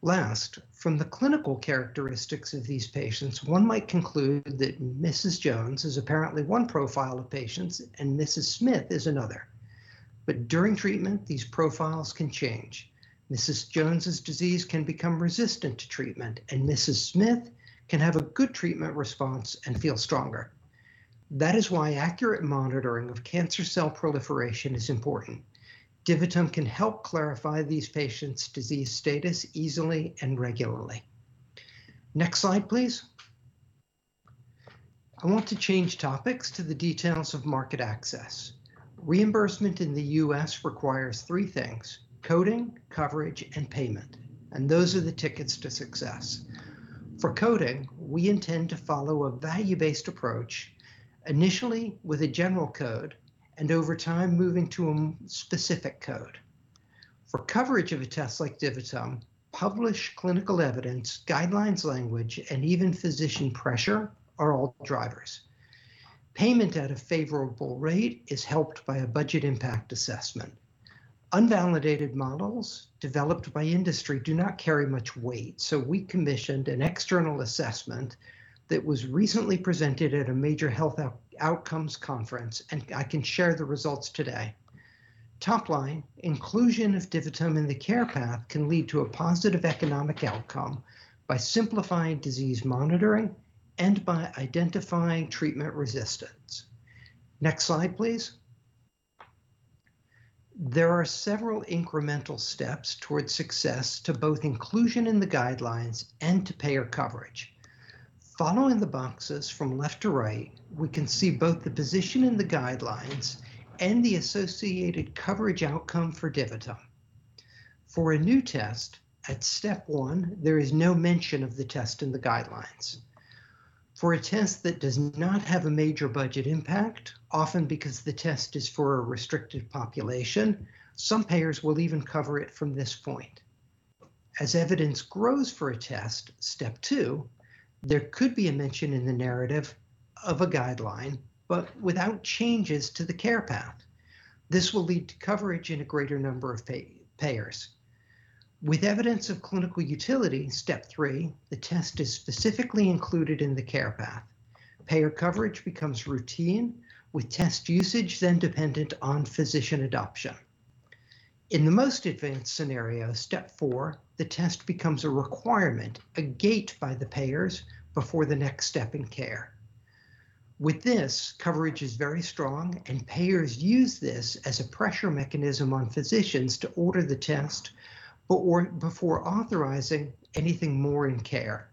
Last, from the clinical characteristics of these patients, one might conclude that Mrs. Jones is apparently one profile of patients and Mrs. Smith is another. But during treatment, these profiles can change. Mrs. Jones' disease can become resistant to treatment, and Mrs. Smith can have a good treatment response and feel stronger. That is why accurate monitoring of cancer cell proliferation is important. DiviTum can help clarify these patients' disease status easily and regularly. Next slide, please. I want to change topics to the details of market access. Reimbursement in the U.S. requires three things, coding, coverage, and payment. Those are the tickets to success. For coding, we intend to follow a value-based approach, initially with a general code, and over time, moving to a specific code. For coverage of a test like DiviTum, published clinical evidence, guidelines language, and even physician pressure are all drivers. Payment at a favorable rate is helped by a budget impact assessment. Unvalidated models developed by industry do not carry much weight. We commissioned an external assessment that was recently presented at a major health outcomes conference. I can share the results today. Top line, inclusion of DiviTum in the care path can lead to a positive economic outcome by simplifying disease monitoring and by identifying treatment resistance. Next slide, please. There are several incremental steps towards success to both inclusion in the guidelines and to payer coverage. Following the boxes from left to right, we can see both the position in the guidelines and the associated coverage outcome for DiviTum. For a new test, at step one, there is no mention of the test in the guidelines. For a test that does not have a major budget impact, often because the test is for a restricted population, some payers will even cover it from this point. As evidence grows for a test, step two, there could be a mention in the narrative of a guideline, without changes to the care path. This will lead to coverage in a greater number of payers. With evidence of clinical utility, step three, the test is specifically included in the care path. Payer coverage becomes routine with test usage then dependent on physician adoption. In the most advanced scenario, step four, the test becomes a requirement, a gate by the payers before the next step in care. With this, coverage is very strong, and payers use this as a pressure mechanism on physicians to order the test before authorizing anything more in care.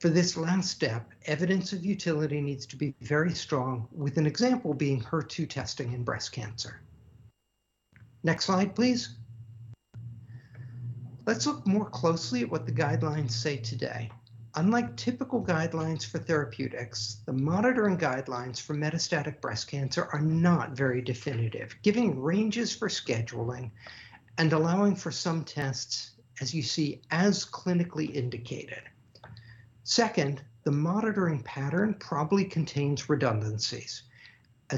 For this last step, evidence of utility needs to be very strong, with an example being HER2 testing in breast cancer. Next slide, please. Let's look more closely at what the guidelines say today. Unlike typical guidelines for therapeutics, the monitoring guidelines for metastatic breast cancer are not very definitive, giving ranges for scheduling and allowing for some tests, as you see, as clinically indicated. Second, the monitoring pattern probably contains redundancies.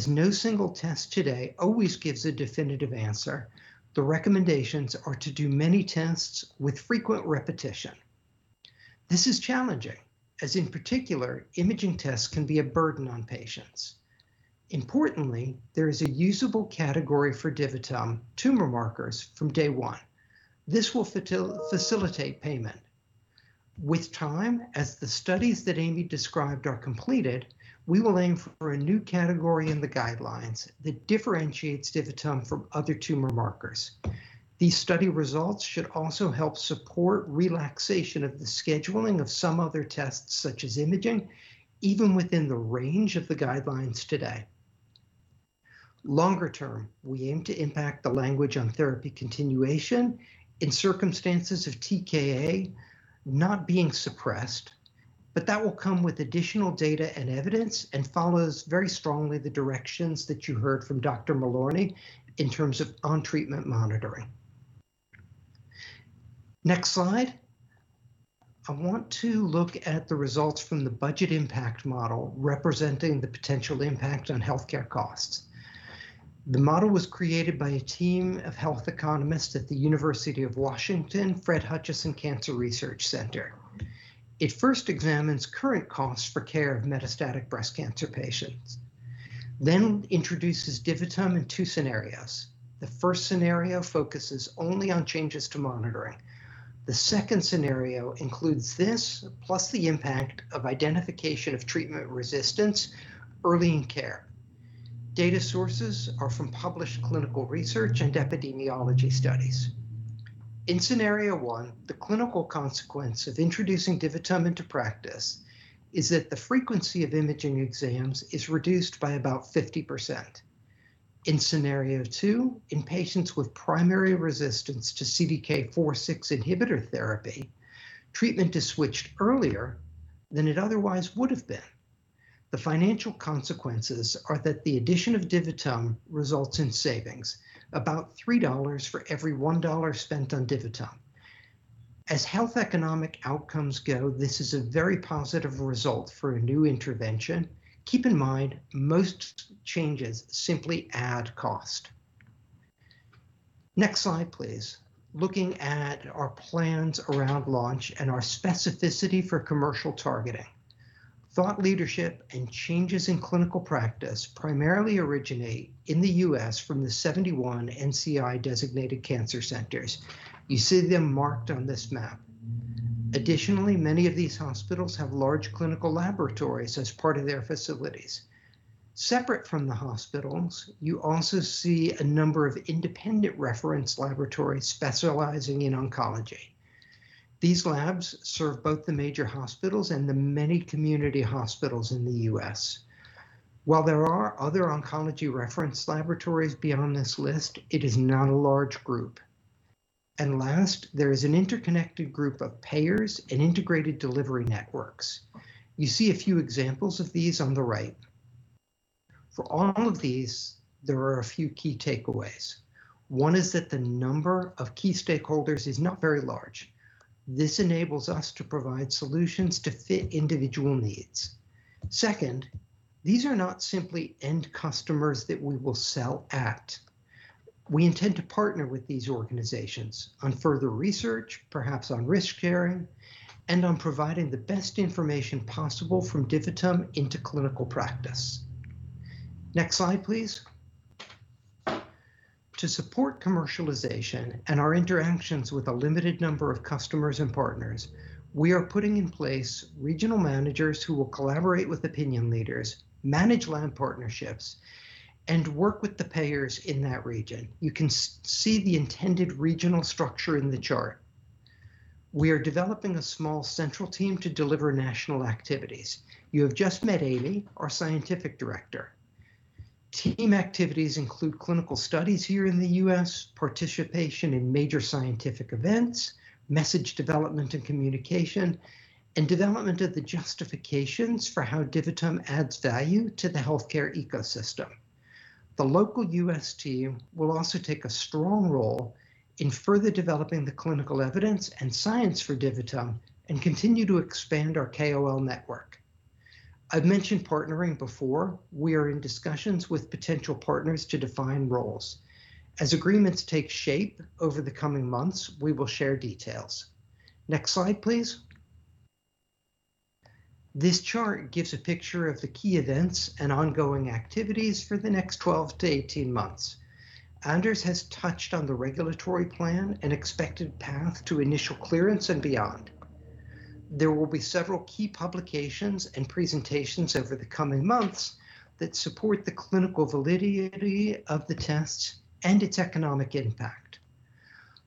No single test today always gives a definitive answer, the recommendations are to do many tests with frequent repetition. This is challenging, as in particular, imaging tests can be a burden on patients. There is a usable category for DiviTum tumor markers from day one. This will facilitate payment. As the studies that Amy described are completed, we will aim for a new category in the guidelines that differentiates DiviTum from other tumor markers. These study results should also help support relaxation of the scheduling of some other tests, such as imaging, even within the range of the guidelines today. Longer term, we aim to impact the language on therapy continuation in circumstances of TKa not being suppressed, that will come with additional data and evidence and follows very strongly the directions that you heard from Dr. Malorni in terms of on-treatment monitoring. Next slide. I want to look at the results from the budget impact model representing the potential impact on healthcare costs. The model was created by a team of health economists at the University of Washington Fred Hutchinson Cancer Center. It first examines current costs for care of metastatic breast cancer patients, then introduces DiviTum in two scenarios. The first scenario focuses only on changes to monitoring. The second scenario includes this plus the impact of identification of treatment resistance early in care. Data sources are from published clinical research and epidemiology studies. In scenario one, the clinical consequence of introducing DiviTum into practice is that the frequency of imaging exams is reduced by about 50%. In scenario two, in patients with primary resistance to CDK4/6 inhibitor therapy, treatment is switched earlier than it otherwise would have been. The financial consequences are that the addition of DiviTum results in savings, about $3 for every $1 spent on DiviTum. As health economic outcomes go, this is a very positive result for a new intervention. Keep in mind, most changes simply add cost. Next slide, please. Looking at our plans around launch and our specificity for commercial targeting. Thought leadership and changes in clinical practice primarily originate in the U.S. from the 71 NCI designated cancer centers. You see them marked on this map. Additionally, many of these hospitals have large clinical laboratories as part of their facilities. Separate from the hospitals, you also see a number of independent reference laboratories specializing in oncology. These labs serve both the major hospitals and the many community hospitals in the U.S. While there are other oncology reference laboratories beyond this list, it is not a large group. Last, there is an interconnected group of payers and integrated delivery networks. You see a few examples of these on the right. For all of these, there are a few key takeaways. One is that the number of key stakeholders is not very large. This enables us to provide solutions to fit individual needs. Second, these are not simply end customers that we will sell at. We intend to partner with these organizations on further research, perhaps on risk sharing, and on providing the best information possible from DiviTum into clinical practice. Next slide, please. To support commercialization and our interactions with a limited number of customers and partners, we are putting in place regional managers who will collaborate with opinion leaders, manage lab partnerships, and work with the payers in that region. You can see the intended regional structure in the chart. We are developing a small central team to deliver national activities. You have just met Amy, our scientific director. Team activities include clinical studies here in the U.S., participation in major scientific events, message development and communication, and development of the justifications for how DiviTum adds value to the healthcare ecosystem. The local U.S. team will also take a strong role in further developing the clinical evidence and science for DiviTum and continue to expand our KOL network. I've mentioned partnering before. We are in discussions with potential partners to define roles. As agreements take shape over the coming months, we will share details. Next slide, please. This chart gives a picture of the key events and ongoing activities for the next 12 to 18 months. Anders has touched on the regulatory plan and expected path to initial clearance and beyond. There will be several key publications and presentations over the coming months that support the clinical validity of the tests and its economic impact.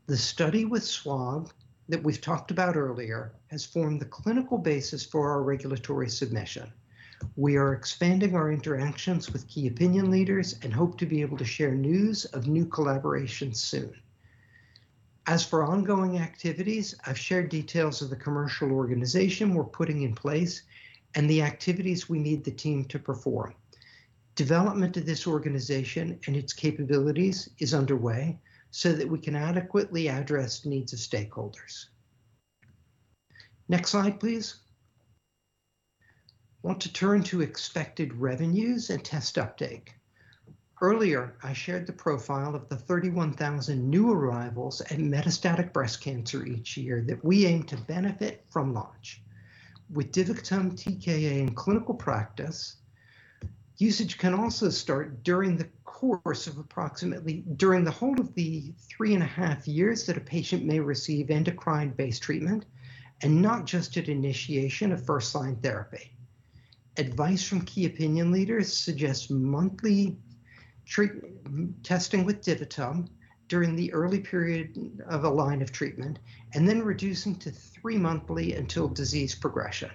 The study with SWOG that we've talked about earlier has formed the clinical basis for our regulatory submission. We are expanding our interactions with key opinion leaders and hope to be able to share news of new collaborations soon. As for ongoing activities, I've shared details of the commercial organization we're putting in place and the activities we need the team to perform. Development of this organization and its capabilities is underway so that we can adequately address needs of stakeholders. Next slide, please. Want to turn to expected revenues and test uptake. Earlier, I shared the profile of the 31,000 new arrivals and metastatic breast cancer each year that we aim to benefit from launch. With DiviTum TKa in clinical practice, usage can also start during the whole of the three and a half years that a patient may receive endocrine-based treatment and not just at initiation of first-line therapy. Advice from key opinion leaders suggests monthly testing with DiviTum during the early period of a line of treatment, and then reducing to three monthly until disease progression.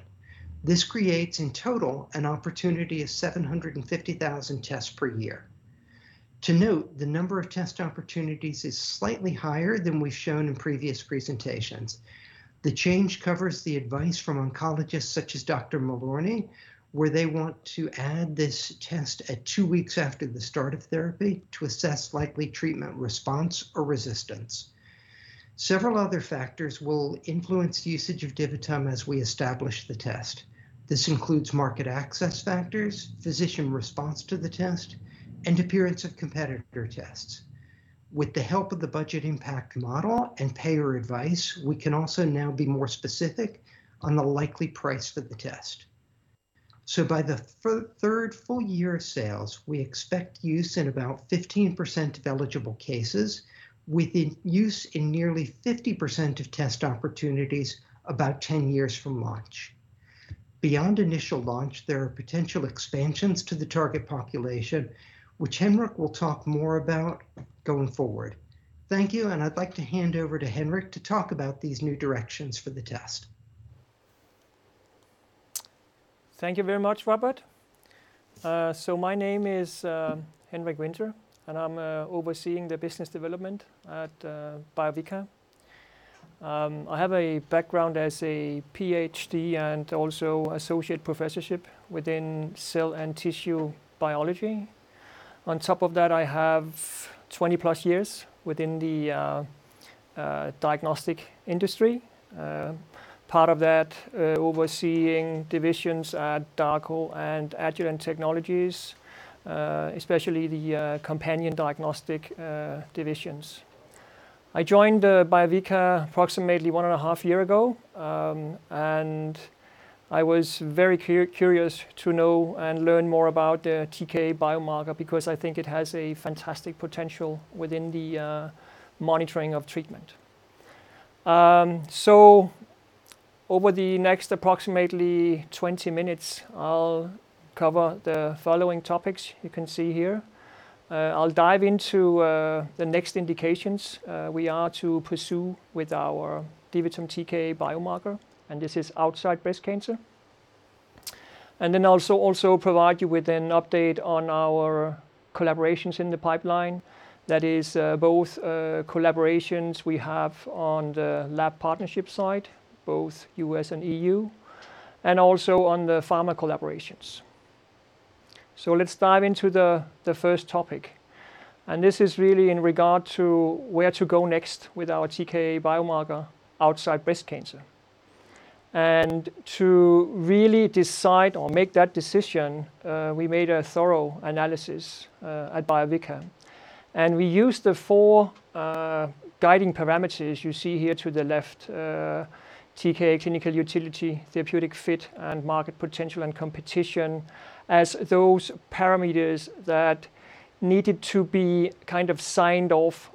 This creates, in total, an opportunity of 750,000 tests per year. To note, the number of test opportunities is slightly higher than we've shown in previous presentations. The change covers the advice from oncologists such as Dr. Malorni, where they want to add this test at two weeks after the start of therapy to assess likely treatment response or resistance. Several other factors will influence the usage of DiviTum as we establish the test. This includes market access factors, physician response to the test, and appearance of competitor tests. With the help of the budget impact model and payer advice, we can also now be more specific on a likely price for the test. By the third full year of sales, we expect use in about 15% of eligible cases, with use in nearly 50% of test opportunities about 10 years from launch. Beyond initial launch, there are potential expansions to the target population, which Henrik will talk more about going forward. Thank you. I'd like to hand over to Henrik to talk about these new directions for the test. Thank you very much, Robert. My name is Henrik Winther, and I'm overseeing the business development at Biovica. I have a background as a PhD and also associate professorship within cell and tissue biology. On top of that, I have 20-plus years within the diagnostic industry. Part of that, overseeing divisions at Dako and Agilent Technologies, especially the companion diagnostic divisions. I joined Biovica approximately one and a half year ago, and I was very curious to know and learn more about the TKa biomarker because I think it has a fantastic potential within the monitoring of treatment. Over the next approximately 20 minutes, I'll cover the following topics you can see here. I'll dive into the next indications we are to pursue with our DiviTum TKa biomarker, and this is outside breast cancer. Also provide you with an update on our collaborations in the pipeline. That is both collaborations we have on the lab partnership side, both U.S. and E.U., and also on the pharma collaborations. Let's dive into the first topic, and this is really in regard to where to go next with our TKa biomarker outside breast cancer. To really decide or make that decision, we made a thorough analysis at Biovica, and we used the four guiding parameters you see here to the left, TKa clinical utility, therapeutic fit, and market potential and competition, as those parameters that needed to be signed off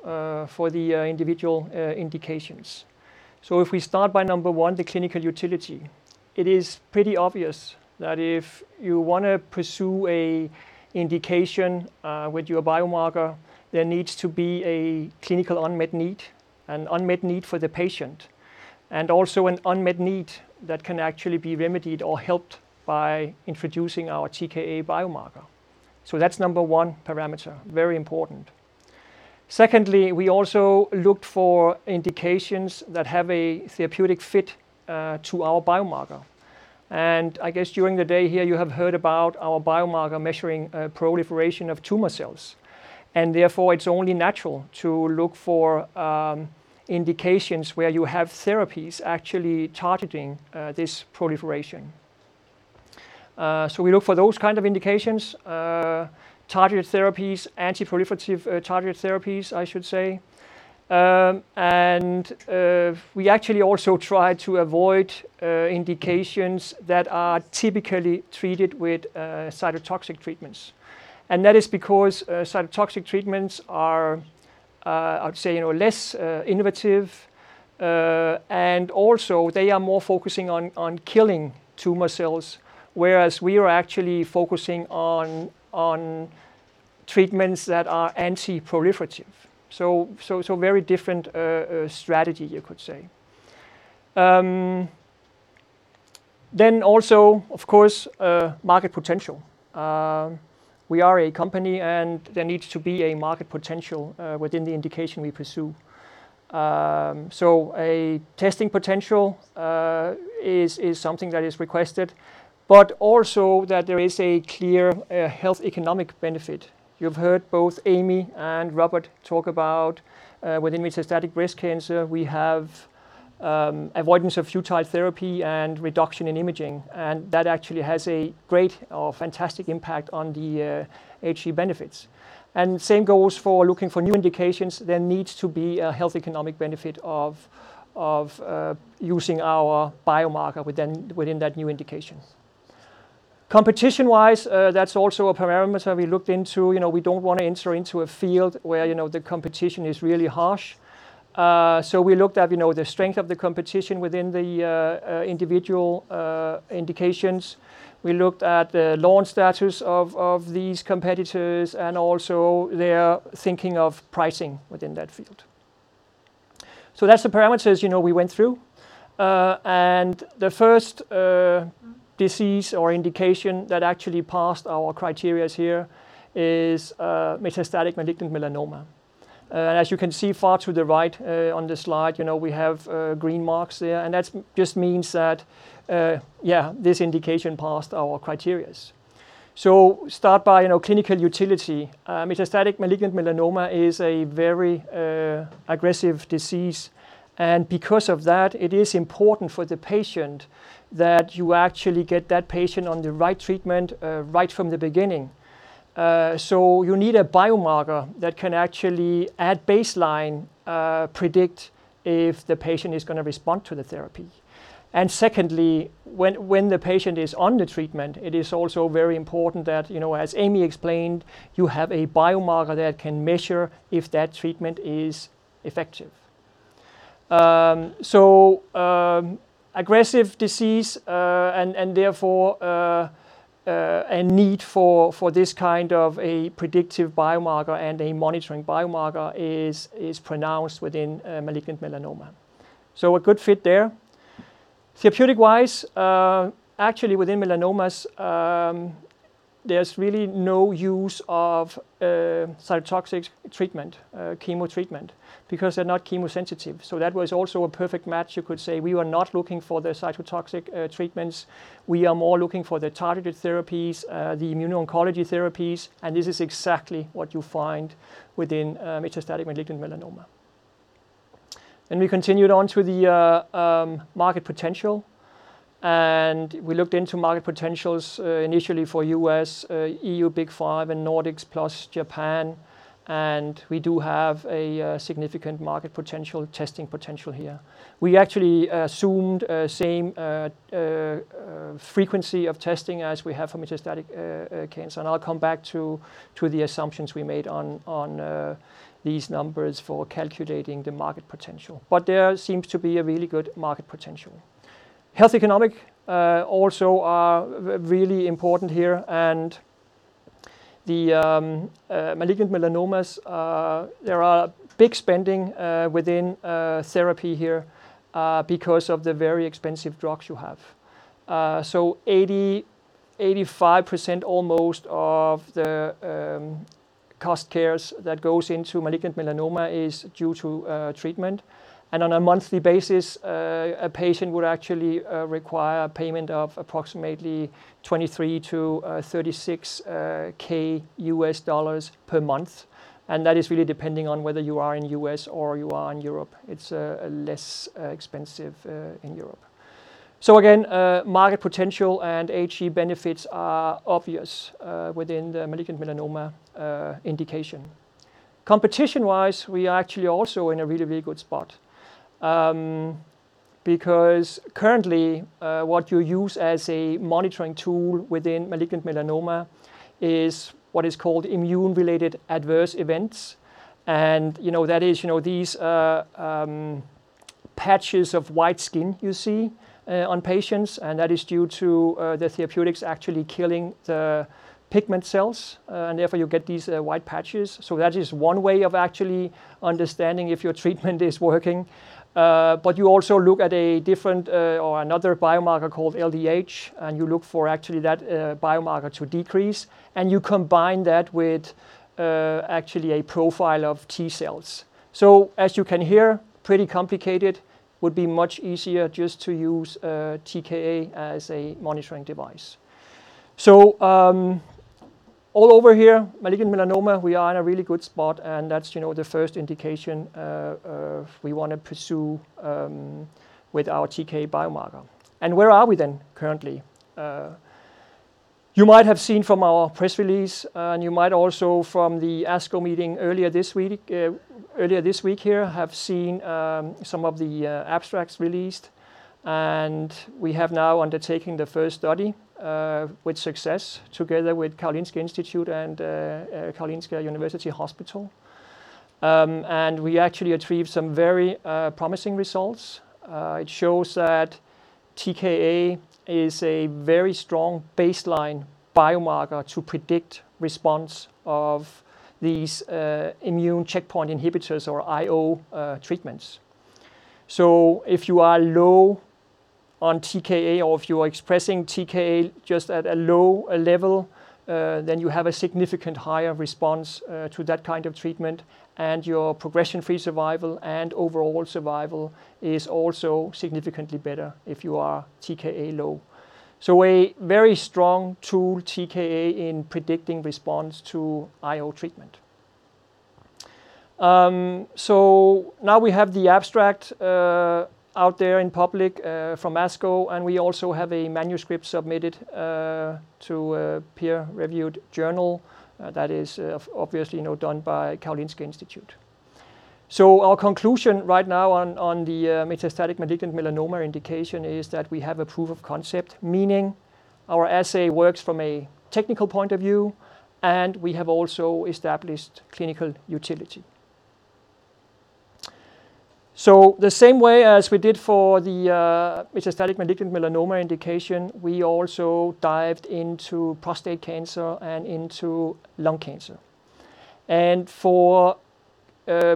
for the individual indications. If we start by number one, the clinical utility, it is pretty obvious that if you want to pursue an indication with your biomarker, there needs to be a clinical unmet need, an unmet need for the patient, and also an unmet need that can actually be remedied or helped by introducing our TKa biomarker. Secondly, we also look for indications that have a therapeutic fit to our biomarker. I guess during the day here, you have heard about our biomarker measuring proliferation of tumor cells, and therefore, it's only natural to look for indications where you have therapies actually targeting this proliferation. We look for those kind of indications, targeted therapies, anti-proliferative targeted therapies, I should say. We actually also try to avoid indications that are typically treated with cytotoxic treatments, and that is because cytotoxic treatments are less innovative. Also they are more focusing on killing tumor cells, whereas we are actually focusing on treatments that are anti-proliferative. Very different strategy you could say. Also of course, market potential. We are a company and there needs to be a market potential within the indication we pursue. A testing potential is something that is requested, but also that there is a clear health economic benefit. You've heard both Amy and Robert talk about with metastatic breast cancer, we have avoidance of futile therapy and reduction in imaging. That actually has a great fantastic impact on the HE benefits. Same goes for looking for new indications. There needs to be a health economic benefit of using our biomarker within that new indication. Competition-wise, that's also a parameter that we looked into. We don't want to enter into a field where the competition is really harsh. We looked at the strength of the competition within the individual indications. We looked at the launch status of these competitors and also their thinking of pricing within that field. That's the parameters we went through. The first disease or indication that actually passed our criteria here is metastatic malignant melanoma. As you can see far to the right on the slide, we have green marks there and that just means that this indication passed our criteria. Start by clinical utility. Metastatic malignant melanoma is a very aggressive disease and because of that it is important for the patient that you actually get that patient on the right treatment right from the beginning. You need a biomarker that can actually at baseline, predict if the patient is going to respond to the therapy. Secondly, when the patient is on the treatment, it is also very important that, as Amy explained, you have a biomarker that can measure if that treatment is effective. Aggressive disease and therefore a need for this kind of a predictive biomarker and a monitoring biomarker is pronounced within malignant melanoma. A good fit there. Therapeutic-wise, actually within melanomas, there's really no use of cytotoxic treatment, chemo treatment because they're not chemo sensitive. That was also a perfect match you could say. We were not looking for the cytotoxic treatments. We are more looking for the targeted therapies, the immuno-oncology therapies and this is exactly what you find within metastatic malignant melanoma. We continued on to the market potential and we looked into market potentials initially for U.S., EU Big 5 and Nordics plus Japan and we do have a significant market potential, testing potential here. We actually assumed same frequency of testing as we have for metastatic cancer and I'll come back to the assumptions we made on these numbers for calculating the market potential. There seems to be a really good market potential. Health economic also are really important here and the malignant melanomas, there are big spending within therapy here because of the very expensive drugs you have. 85% almost of the cost cares that goes into malignant melanoma is due to treatment. On a monthly basis, a patient would actually require payment of approximately $23,000-$36,000/month and that is really depending on whether you are in U.S. or you are in Europe. It's less expensive in Europe. Again market potential and HE benefits are obvious within the malignant melanoma indication. Competition-wise we are actually also in a really good spot because currently what you use as a monitoring tool within malignant melanoma is what is called immune related adverse events and that is these patches of white skin you see on patients and that is due to the therapeutics actually killing the pigment cells and therefore you get these white patches. That is one way of actually understanding if your treatment is working. You also look at a different or another biomarker called LDH and you look for actually that biomarker to decrease and you combine that with actually a profile of T-cells. As you can hear, pretty complicated. Would be much easier just to use TKa as a monitoring device. All over here malignant melanoma we are in a really good spot and that's the first indication we want to pursue with our TKa biomarker. Where are we then currently? You might have seen from our press release and you might also from the ASCO meeting earlier this week here have seen some of the abstracts released and we have now undertaken the first study with success together with Karolinska Institutet and Karolinska University Hospital. We actually achieved some very promising results. It shows that TKa is a very strong baseline biomarker to predict response of these immune checkpoint inhibitors or IO treatments. If you are low on TKa or if you are expressing TKa just at a low level, then you have a significant higher response to that kind of treatment and your progression-free survival and overall survival is also significantly better if you are TKa low. A very strong tool, TKa, in predicting response to IO treatment. Now we have the abstract out there in public from ASCO, and we also have a manuscript submitted to a peer-reviewed journal that is obviously done by Karolinska Institutet. Our conclusion right now on the metastatic malignant melanoma indication is that we have a proof of concept, meaning our assay works from a technical point of view and we have also established clinical utility. The same way as we did for the metastatic malignant melanoma indication, we also dived into prostate cancer and into lung cancer. For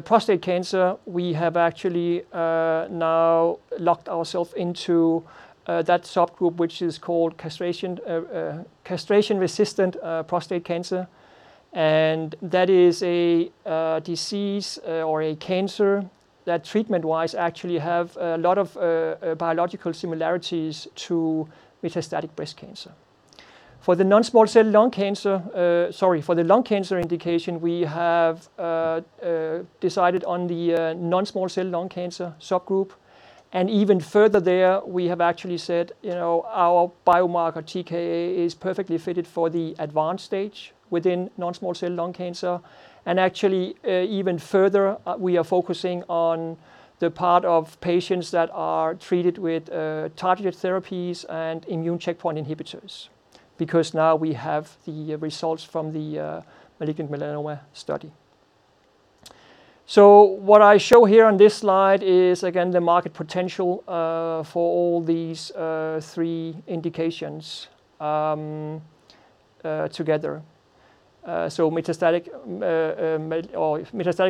prostate cancer, we have actually now locked ourself into that subgroup, which is called castration-resistant prostate cancer. That is a disease or a cancer that treatment-wise actually have a lot of biological similarities to metastatic breast cancer. For the non-small cell lung cancer indication, we have decided on the non-small cell lung cancer subgroup. Even further there, we have actually said our biomarker TKa is perfectly fitted for the advanced stage within non-small cell lung cancer. Actually, even further, we are focusing on the part of patients that are treated with targeted therapies and immune checkpoint inhibitors because now we have the results from the malignant melanoma study. What I show here on this slide is, again, the market potential for all these three indications together. Metastatic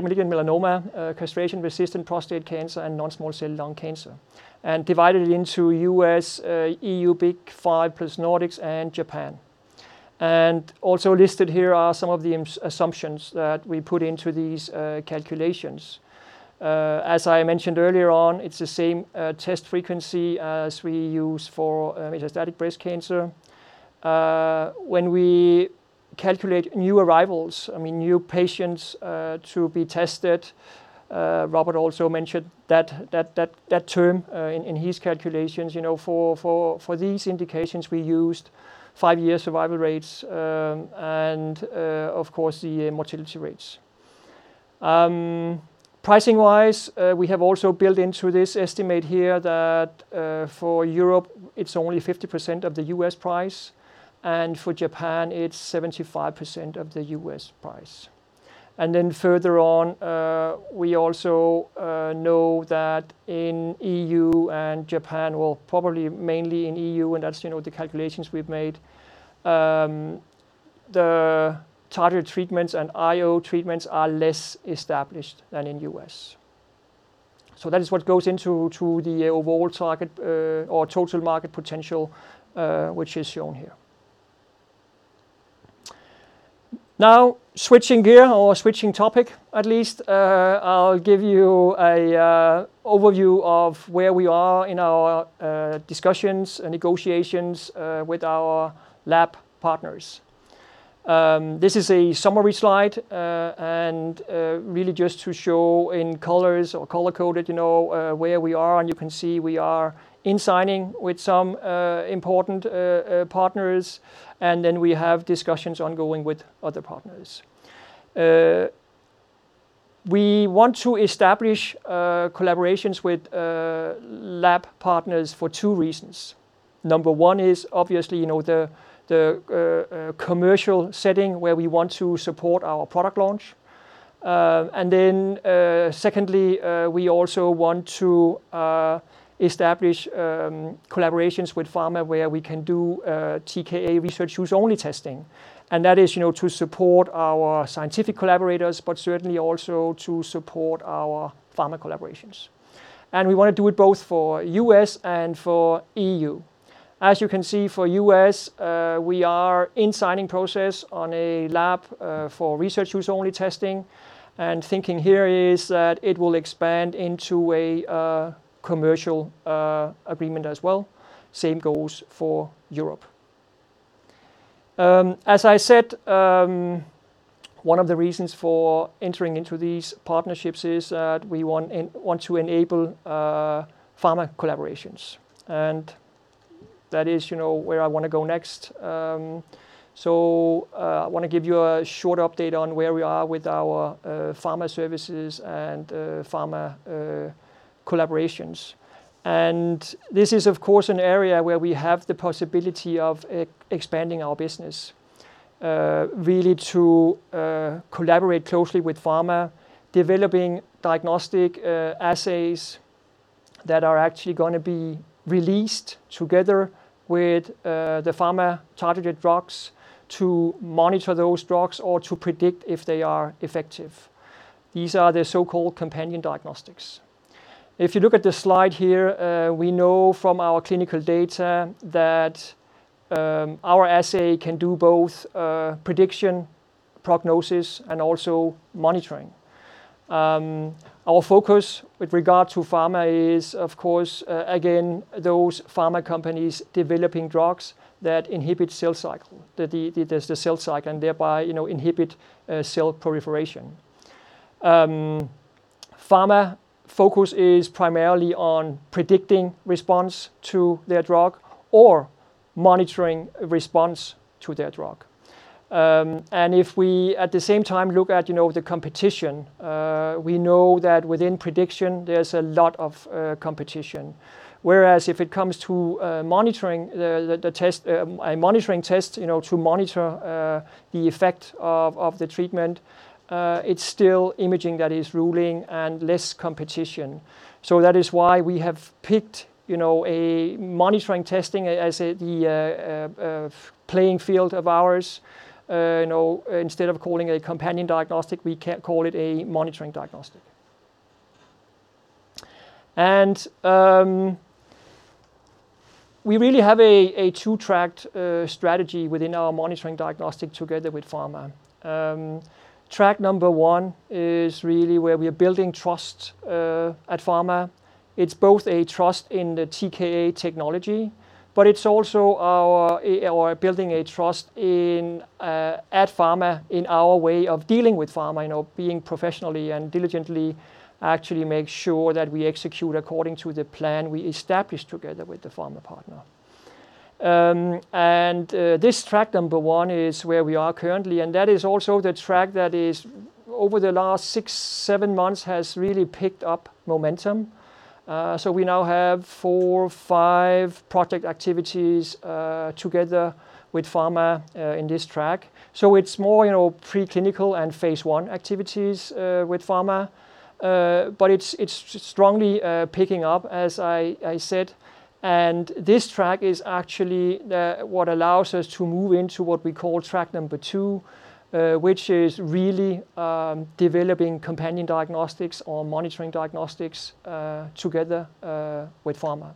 malignant melanoma, castration-resistant prostate cancer, and non-small cell lung cancer, and divided into U.S., EU Big 5 plus Nordics, and Japan. Also listed here are some of the assumptions that we put into these calculations. As I mentioned earlier on, it's the same test frequency as we use for metastatic breast cancer. When we calculate new arrivals, I mean new patients to be tested, Robert also mentioned that term in his calculations. For these indications, we used five-year survival rates and of course the mortality rates. Pricing-wise, we have also built into this estimate here that for Europe it's only 50% of the U.S. price, and for Japan it's 75% of the U.S. price. Then further on, we also know that in EU and Japan, well, probably mainly in EU and that's the calculations we've made, the targeted treatments and IO treatments are less established than in U.S. That is what goes into the overall target or total market potential, which is shown here. Switching gear or switching topic, at least, I'll give you an overview of where we are in our discussions and negotiations with our lab partners. This is a summary slide and really just to show in colors or color-coded where we are. You can see we are in signing with some important partners, and then we have discussions ongoing with other partners. We want to establish collaborations with lab partners for two reasons. Number one is obviously the commercial setting where we want to support our product launch. Secondly, we also want to establish collaborations with pharma where we can do TKa research use only testing. That is to support our scientific collaborators, but certainly also to support our pharma collaborations. We want to do it both for U.S. and for EU. As you can see, for U.S., we are in signing process on a lab for research use only testing. Thinking here is that it will expand into a commercial agreement as well. Same goes for Europe. As I said, one of the reasons for entering into these partnerships is that we want to enable pharma collaborations, that is where I want to go next. I want to give you a short update on where we are with our pharma services and pharma collaborations. This is, of course, an area where we have the possibility of expanding our business, really to collaborate closely with pharma, developing diagnostic assays that are actually going to be released together with the pharma-targeted drugs to monitor those drugs or to predict if they are effective. These are the so-called companion diagnostics. If you look at the slide here, we know from our clinical data that our assay can do both prediction, prognosis, and also monitoring. Our focus with regard to pharma is, of course, again, those pharma companies developing drugs that inhibit the cell cycle and thereby inhibit cell proliferation. Pharma focus is primarily on predicting response to their drug or monitoring response to their drug. If we, at the same time, look at the competition, we know that within prediction there's a lot of competition. Whereas if it comes to a monitoring test to monitor the effect of the treatment, it is still imaging that is ruling and less competition. That is why we have picked monitoring testing as the playing field of ours. Instead of calling it a companion diagnostic, we call it a monitoring diagnostic. We really have a two-track strategy within our monitoring diagnostic together with pharma. Track number one is really where we are building trust at pharma. It is both a trust in the TKa technology, but it is also our building a trust at pharma in our way of dealing with pharma, being professional and diligently actually make sure that we execute according to the plan we establish together with the pharma partner. This track one is where we are currently, and that is also the track that is, over the last six, seven months, has really picked up momentum. We now have four or five project activities together with pharma in this track. It's more preclinical and phase I activities with pharma. It's strongly picking up, as I said. This track is actually what allows us to move into what we call track two, which is really developing companion diagnostics or monitoring diagnostics together with pharma.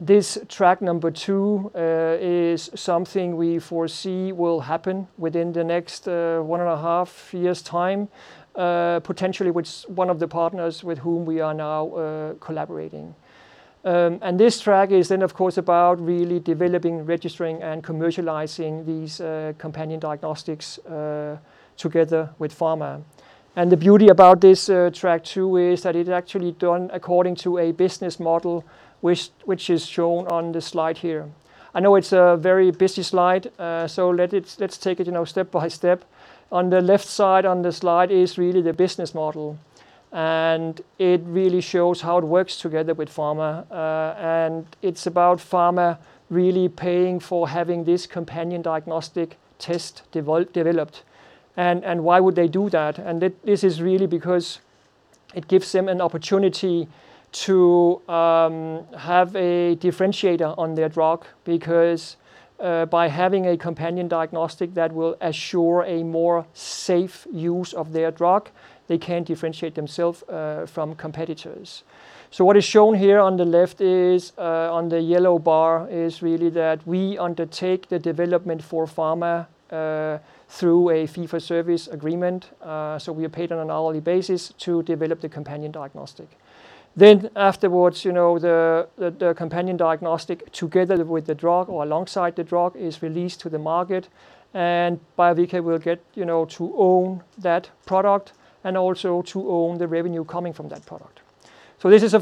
This track number two is something we foresee will happen within the next one and a half years' time, potentially with one of the partners with whom we are now collaborating. This track is, of course, about really developing, registering, and commercializing these companion diagnostics together with pharma. The beauty about this track two is that it's actually done according to a business model, which is shown on the slide here. I know it's a very busy slide, so let's take it step by step. On the left side on the slide is really the business model, and it really shows how it works together with pharma. It's about pharma really paying for having this companion diagnostic test developed. Why would they do that? This is really because it gives them an opportunity to have a differentiator on their drug, because by having a companion diagnostic that will assure a safer use of their drug, they can differentiate themselves from competitors. What is shown here on the left is, on the yellow bar, is really that we undertake the development for pharma through a fee-for-service agreement. We are paid on an hourly basis to develop the companion diagnostic. Afterwards, the companion diagnostic, together with the drug or alongside the drug, is released to the market, and Biovica will get to own that product and also to own the revenue coming from that product. This is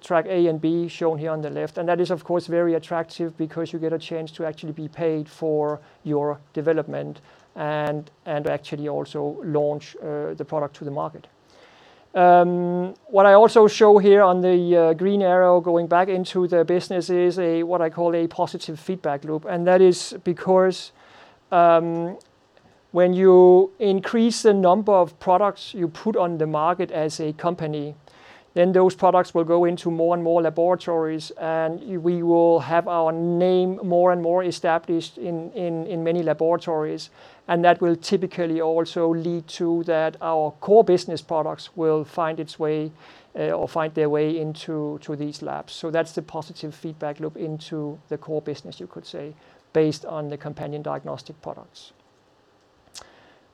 track A and B shown here on the left. That is, of course, very attractive because you get a chance to actually be paid for your development and actually also launch the product to the market. What I also show here on the green arrow going back into the business is what I call a positive feedback loop. That is because when you increase the number of products you put on the market as a company, then those products will go into more and more laboratories, and we will have our name more and more established in many laboratories. That will typically also lead to that our core business products will find their way into these labs. That's the positive feedback loop into the core business, you could say, based on the companion diagnostic products.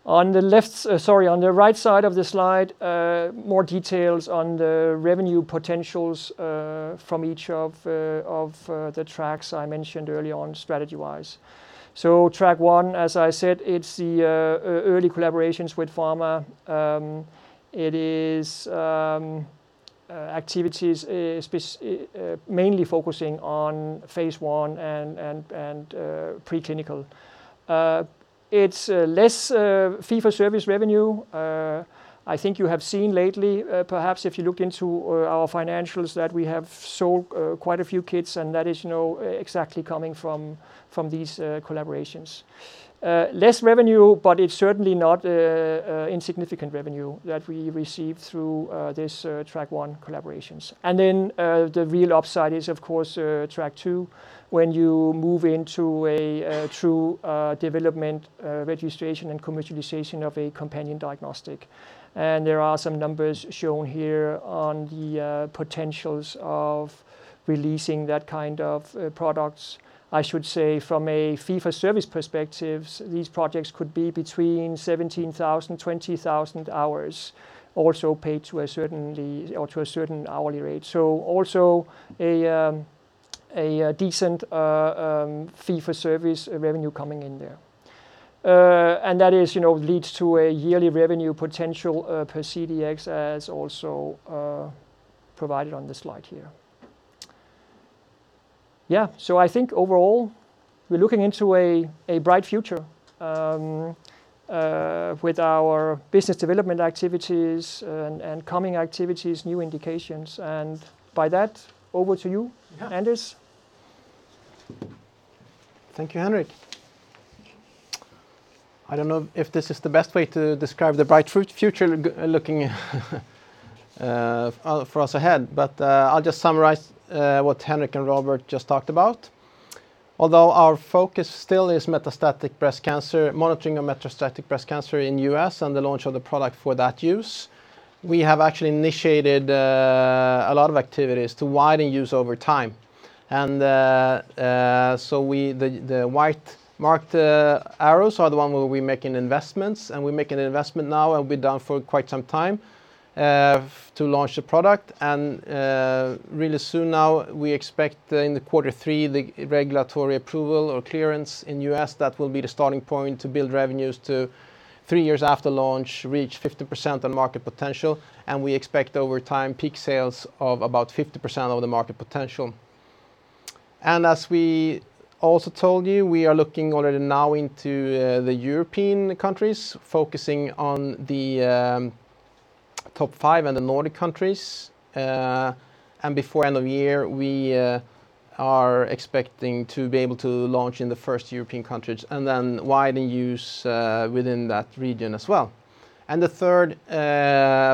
On the right side of the slide, more details on the revenue potentials from each of the tracks I mentioned earlier on strategy-wise. Track one, as I said, it's the early collaborations with pharma. It is activities, mainly focusing on phase I and pre-clinical. It's less fee-for-service revenue. I think you have seen lately, perhaps if you looked into our financials, that we have sold quite a few kits, that is exactly coming from these collaborations. It's certainly not insignificant revenue that we receive through these track one collaborations. The real upside is, of course, track two, when you move into a true development registration and commercialization of a companion diagnostic. There are some numbers shown here on the potentials of releasing that kind of products. I should say from a fee-for-service perspective, these projects could be between 17,000, 20,000 hours, also paid to a certain hourly rate. Also a decent fee-for-service revenue coming in there. That leads to a yearly revenue potential per CDx as also provided on the slide here. Yeah, I think overall, we're looking into a bright future with our business development activities and coming activities, new indications. By that, over to you, Anders. Thank you, Henrik. I don't know if this is the best way to describe the bright future looking for us ahead, but I'll just summarize what Henrik and Robert just talked about. Although our focus still is monitoring of metastatic breast cancer in the U.S. and the launch of the product for that use, we have actually initiated a lot of activities to widen use over time. The white marked arrows are the ones where we're making investments, and we're making an investment now and have been down for quite some time to launch the product. Really soon now, we expect in the quarter three, the regulatory approval or clearance in the U.S. That will be the starting point to build revenues to three years after launch, reach 50% of the market potential. We expect over time peak sales of about 50% of the market potential. As we also told you, we are looking already now into the European countries, focusing on the top five in the Nordic countries. Before end of year, we are expecting to be able to launch in the first European countries, and then widen use within that region as well. The third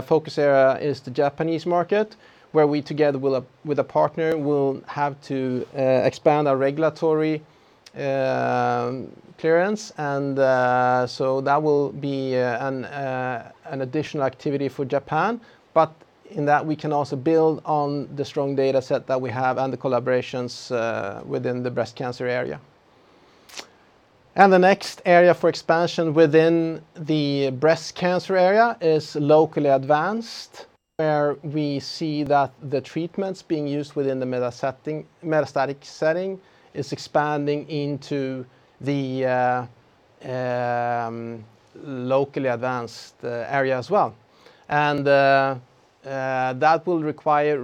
focus area is the Japanese market, where we together with a partner, will have to expand our regulatory clearance, so that will be an additional activity for Japan. In that, we can also build on the strong data set that we have and the collaborations within the breast cancer area. The next area for expansion within the breast cancer area is locally advanced, where we see that the treatments being used within the metastatic setting is expanding into the locally advanced area as well. That will require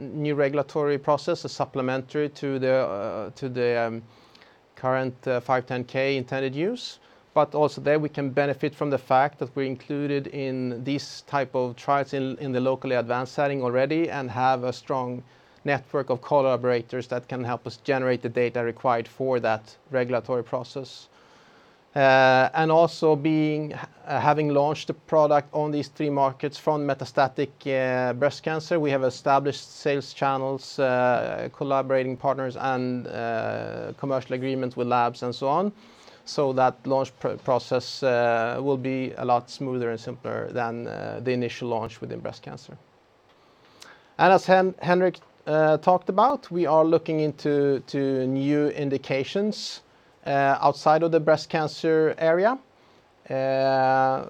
new regulatory processes supplementary to the current 510(k) intended use. Also there we can benefit from the fact that we're included in these type of trials in the locally advanced setting already and have a strong network of collaborators that can help us generate the data required for that regulatory process. Also having launched the product on these three markets from metastatic breast cancer, we have established sales channels, collaborating partners, and commercial agreements with labs and so on. That launch process will be a lot smoother and simpler than the initial launch within breast cancer. As Henrik talked about, we are looking into new indications outside of the breast cancer area.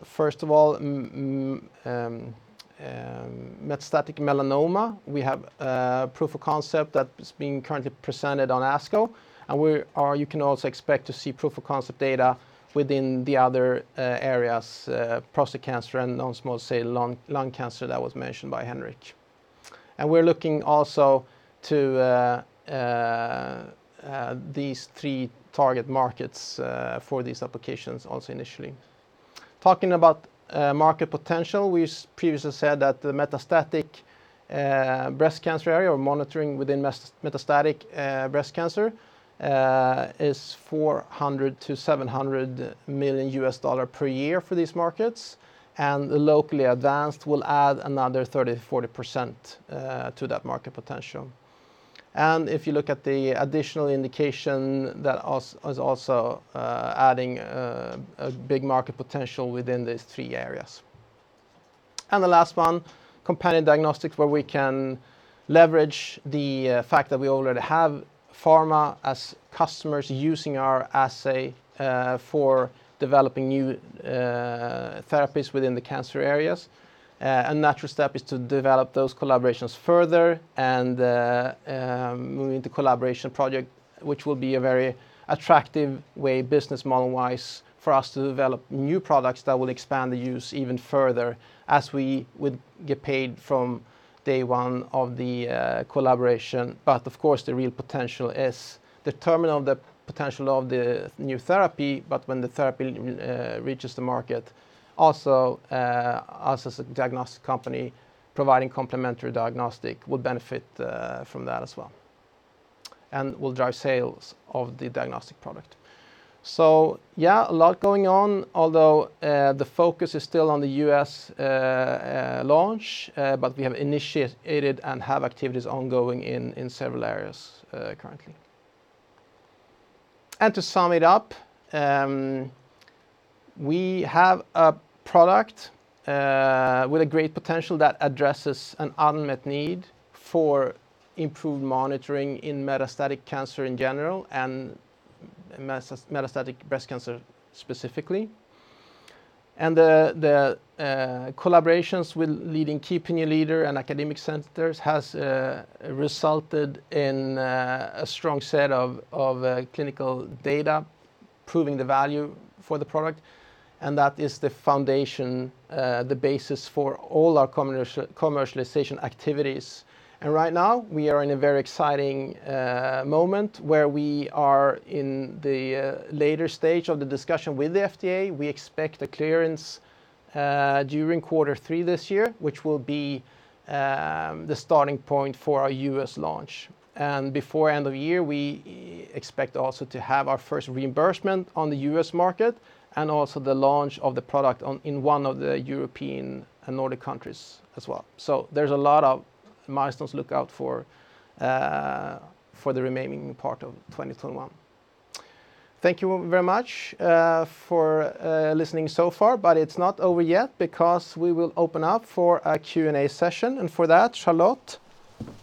First of all, metastatic melanoma. We have a proof of concept that is being currently presented on ASCO, and you can also expect to see proof of concept data within the other areas, prostate cancer and non-small cell lung cancer that was mentioned by Henrik. We're looking also to these three target markets for these applications also initially. Talking about market potential, we previously said that the metastatic breast cancer area or monitoring within metastatic breast cancer is $400 million-$700 million/year for these markets, and the locally advanced will add another 30%-40% to that market potential. If you look at the additional indication, that is also adding a big market potential within these three areas. The last one, companion diagnostic, where we can leverage the fact that we already have pharma as customers using our assay for developing new therapies within the cancer areas. A natural step is to develop those collaborations further and move into collaboration project, which will be a very attractive way, business model-wise, for us to develop new products that will expand the use even further as we would get paid from day one of the collaboration. Of course, the real potential is determined on the potential of the new therapy, but when the therapy reaches the market, also us as a diagnostic company providing companion diagnostic will benefit from that as well, and will drive sales of the diagnostic product. Yeah, a lot going on, although the focus is still on the U.S. launch. We have initiated and have activities ongoing in several areas currently. To sum it up, we have a product with a great potential that addresses an unmet need for improved monitoring in metastatic cancer in general, and metastatic breast cancer specifically. The collaborations with leading opinion leader and academic centers has resulted in a strong set of clinical data proving the value for the product. That is the foundation, the basis for all our commercialization activities. Right now we are in a very exciting moment where we are in the later stage of the discussion with the FDA. We expect a clearance during quarter three this year, which will be the starting point for our U.S. launch. Before end of year, we expect also to have our first reimbursement on the U.S. market and also the launch of the product in one of the European and Nordic countries as well. There's a lot of milestones to look out for the remaining part of 2021. Thank you very much for listening so far. It's not over yet because we will open up for a Q&A session. For that, Charlotte,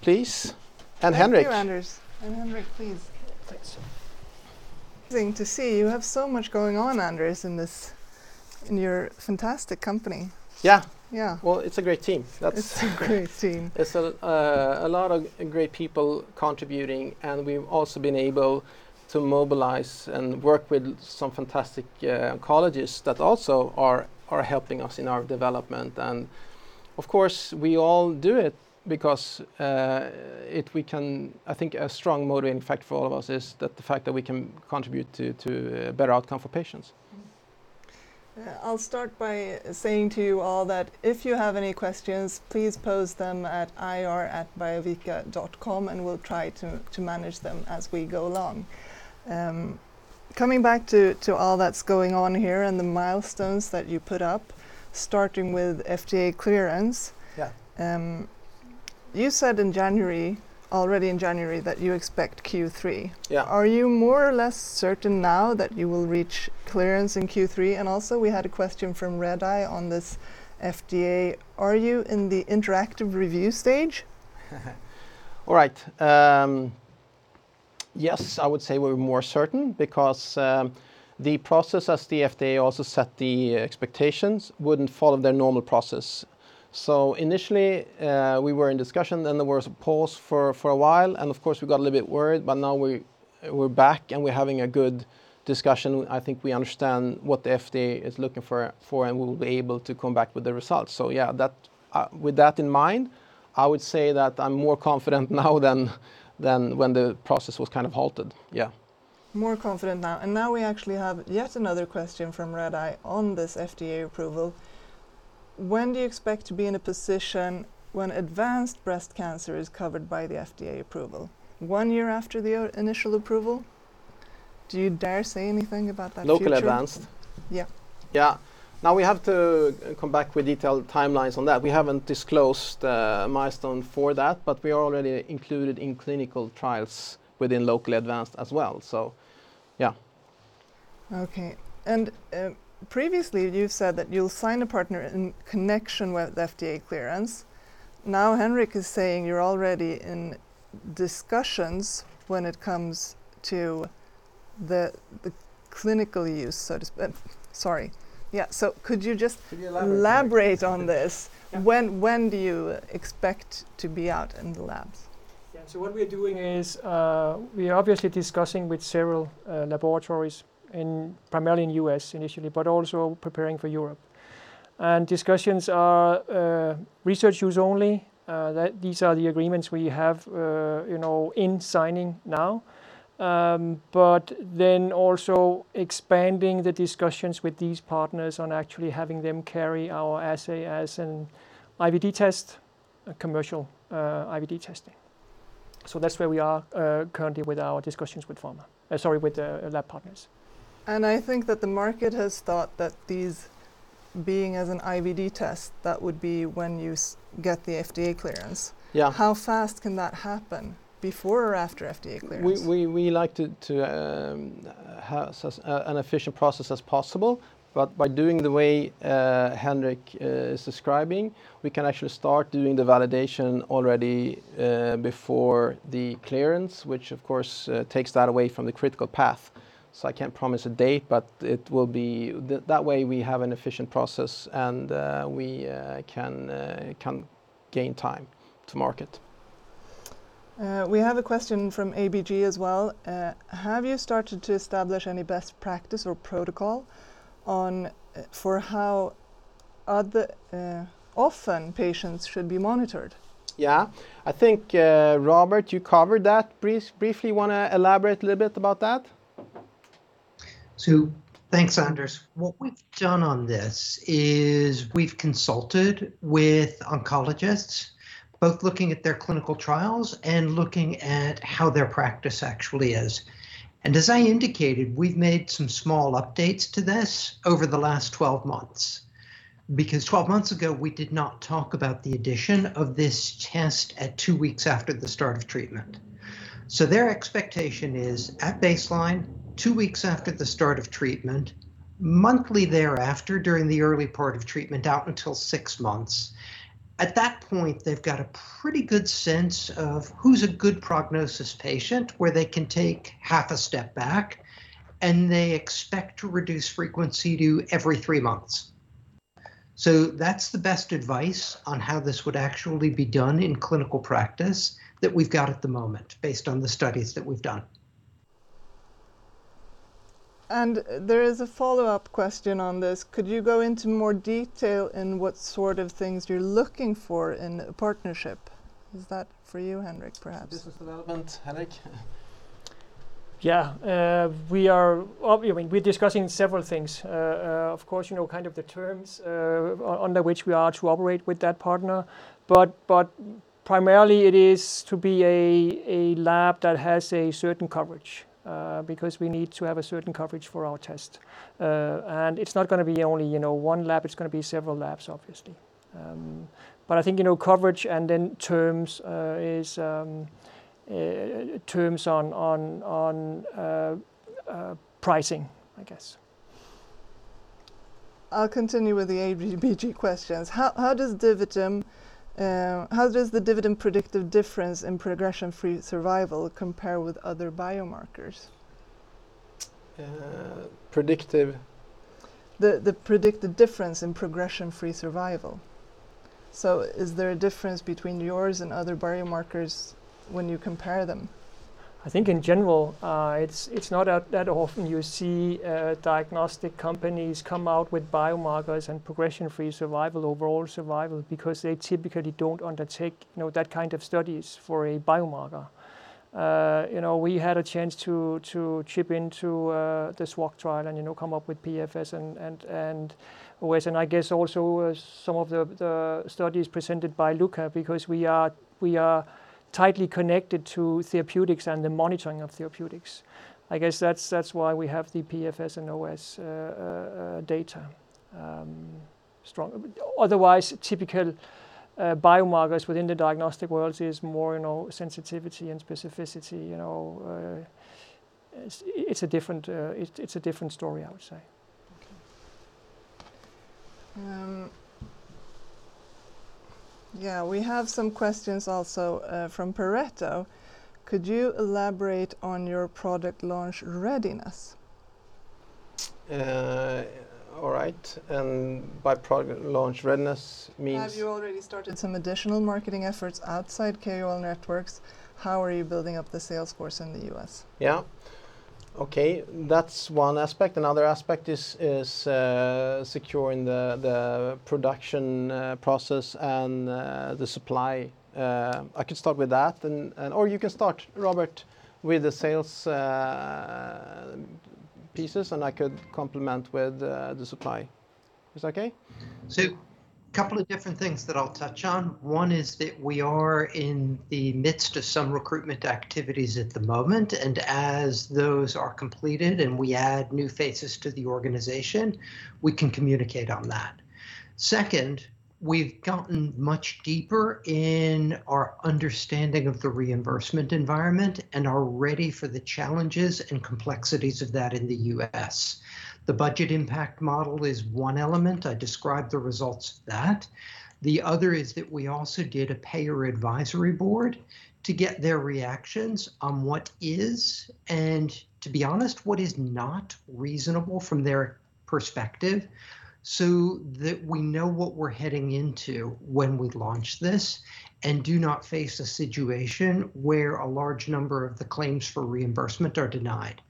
please, and Henrik. Thank you, Anders. Henrik, please. Thanks. Amazing to see you have so much going on, Anders, in your fantastic company. Yeah. Yeah. Well, it's a great team. It's a great team. There's a lot of great people contributing, and we've also been able to mobilize and work with some fantastic oncologists that also are helping us in our development. Of course, we all do it because I think a strong motivating factor for all of us is the fact that we can contribute to better outcome for patients. I'll start by saying to you all that if you have any questions, please pose them at ir@biovica.com, and we'll try to manage them as we go along. Coming back to all that's going on here and the milestones that you put up, starting with FDA clearance. Yeah. You said already in January that you expect Q3. Yeah. Are you more or less certain now that you will reach clearance in Q3? Also, we had a question from Redeye on this FDA. Are you in the interactive review stage? All right. Yes, I would say we're more certain because the process as the FDA also set the expectations wouldn't follow their normal process. Initially, we were in discussion, then there was a pause for a while, and of course, we got a little bit worried, but now we're back, and we're having a good discussion. I think we understand what the FDA is looking for, and we'll be able to come back with the results. Yeah, with that in mind, I would say that I'm more confident now than when the process was kind of halted. Yeah. More confident now. Now we actually have yet another question from Redeye on this FDA approval. When do you expect to be in a position when advanced breast cancer is covered by the FDA approval, one year after the initial approval? Do you dare say anything about that? Locally advanced? Yeah. Yeah. We have to come back with detailed timelines on that. We haven't disclosed a milestone for that, but we are already included in clinical trials within locally advanced as well. Okay. Previously you've said that you'll sign a partner in connection with FDA clearance. Henrik is saying you're already in discussions when it comes to the clinical use, so to speak. Sorry. Yeah. Could you just elaborate on this? When do you expect to be out in the labs? What we're doing is we're obviously discussing with several laboratories primarily in U.S. initially, but also preparing for Europe. Discussions are research use only. These are the agreements we have in signing now. Also expanding the discussions with these partners on actually having them carry our assay as an IVD test, a commercial IVD testing. That's where we are currently with our discussions with lab partners. I think that the market has thought that these being as an IVD test, that would be when you get the FDA clearance. Yeah. How fast can that happen, before or after FDA clearance? has an efficient process as possible. By doing the way Henrik is describing, we can actually start doing the validation already before the clearance, which of course, takes that away from the critical path. I can't promise a date, but that way we have an efficient process, and we can gain time to market. We have a question from ABG as well. Have you started to establish any best practice or protocol for how often patients should be monitored? Yeah. I think, Robert, you covered that briefly. Want to elaborate a little bit about that? Thanks, Anders. What we've done on this is we've consulted with oncologists, both looking at their clinical trials and looking at how their practice actually is. As I indicated, we've made some small updates to this over the last 12 months, because 12 months ago, we did not talk about the addition of this test at two weeks after the start of treatment. Their expectation is at baseline, two weeks after the start of treatment, monthly thereafter during the early part of treatment, up until six months. At that point, they've got a pretty good sense of who's a good prognosis patient, where they can take half a step back, and they expect to reduce frequency to every three months. That's the best advice on how this would actually be done in clinical practice that we've got at the moment based on the studies that we've done. There is a follow-up question on this. Could you go into more detail in what sort of things you're looking for in a partnership? Is that for you, Henrik, perhaps? This is for that one. Henrik? Yeah. We're discussing several things. Of course, kind of the terms under which we are to operate with that partner. Primarily, it is to be a lab that has a certain coverage, because we need to have a certain coverage for our test. It's not going to be only one lab, it's going to be several labs, obviously. I think, coverage and then terms on pricing, I guess. I'll continue with the ABG questions. How does the DiviTum predictive difference in progression-free survival compare with other biomarkers? Predictive? The predictive difference in progression-free survival. Is there a difference between yours and other biomarkers when you compare them? I think in general, it's not that often you see diagnostic companies come out with biomarkers and progression-free survival or overall survival because they typically don't undertake that kind of studies for a biomarker. We had a chance to chip into this SWOG trial and come up with PFS and OS. I guess also some of the studies presented by Luca, because we are tightly connected to therapeutics and the monitoring of therapeutics. I guess that's why we have the PFS and OS data strongly. Otherwise, typical biomarkers within the diagnostic world is more sensitivity and specificity. It's a different story, I would say. Okay. Yeah, we have some questions also from Pareto. Could you elaborate on your product launch readiness? All right. By product launch readiness means? Have you already started some additional marketing efforts outside KOL networks? How are you building up the sales force in the U.S.? Yeah. Okay. That's one aspect. Another aspect is securing the production process and the supply. I can start with that, or you can start, Robert, with the sales pieces, and I could complement with the supply. Is that okay? Couple of different things that I'll touch on. One is that we are in the midst of some recruitment activities at the moment, and as those are completed, and we add new faces to the organization, we can communicate on that. Second, we've gotten much deeper in our understanding of the reimbursement environment and are ready for the challenges and complexities of that in the U.S. The budget impact model is one element. I described the results of that. The other is that we also did a payer advisory board to get their reactions on what is, and to be honest, what is not reasonable from their perspective, so that we know what we're heading into when we launch this and do not face a situation where a large number of the claims for reimbursement are denied.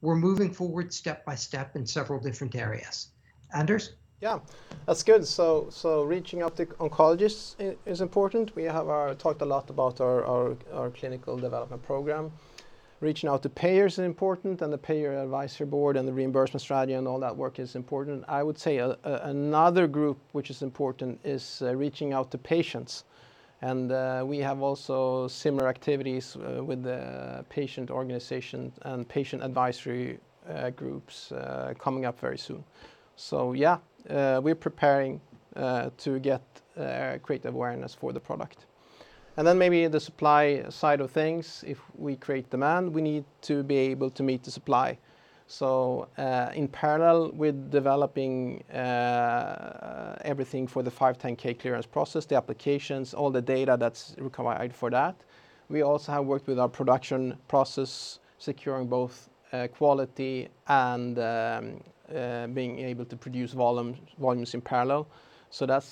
We're moving forward step by step in several different areas. Anders? Yeah. That's good. Reaching out to oncologists is important. We have talked a lot about our clinical development program. Reaching out to payers is important, and the payer advisory board and the reimbursement strategy and all that work is important. I would say another group which is important is reaching out to patients, and we have also similar activities with the patient organization and patient advisory groups coming up very soon. Yeah, we're preparing to get great awareness for the product. Maybe the supply side of things, if we create demand, we need to be able to meet the supply. In parallel with developing everything for the 510(k) clearance process, the applications, all the data that's required for that, we also have worked with our production process, securing both quality and being able to produce volumes in parallel. That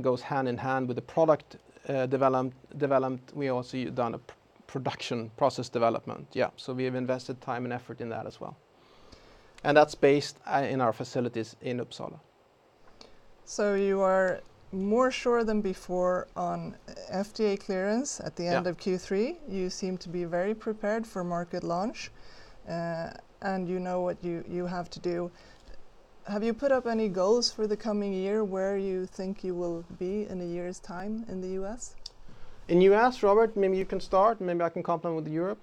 goes hand in hand with the product development. We also have done a production process development. Yeah. We have invested time and effort in that as well. That's based in our facilities in Uppsala. You are more sure than before on FDA clearance at the end of Q3. Yeah. You seem to be very prepared for market launch, and you know what you have to do. Have you put up any goals for the coming year, where you think you will be in a year's time in the U.S.? In the U.S., Robert, maybe you can start, and maybe I can complement with Europe.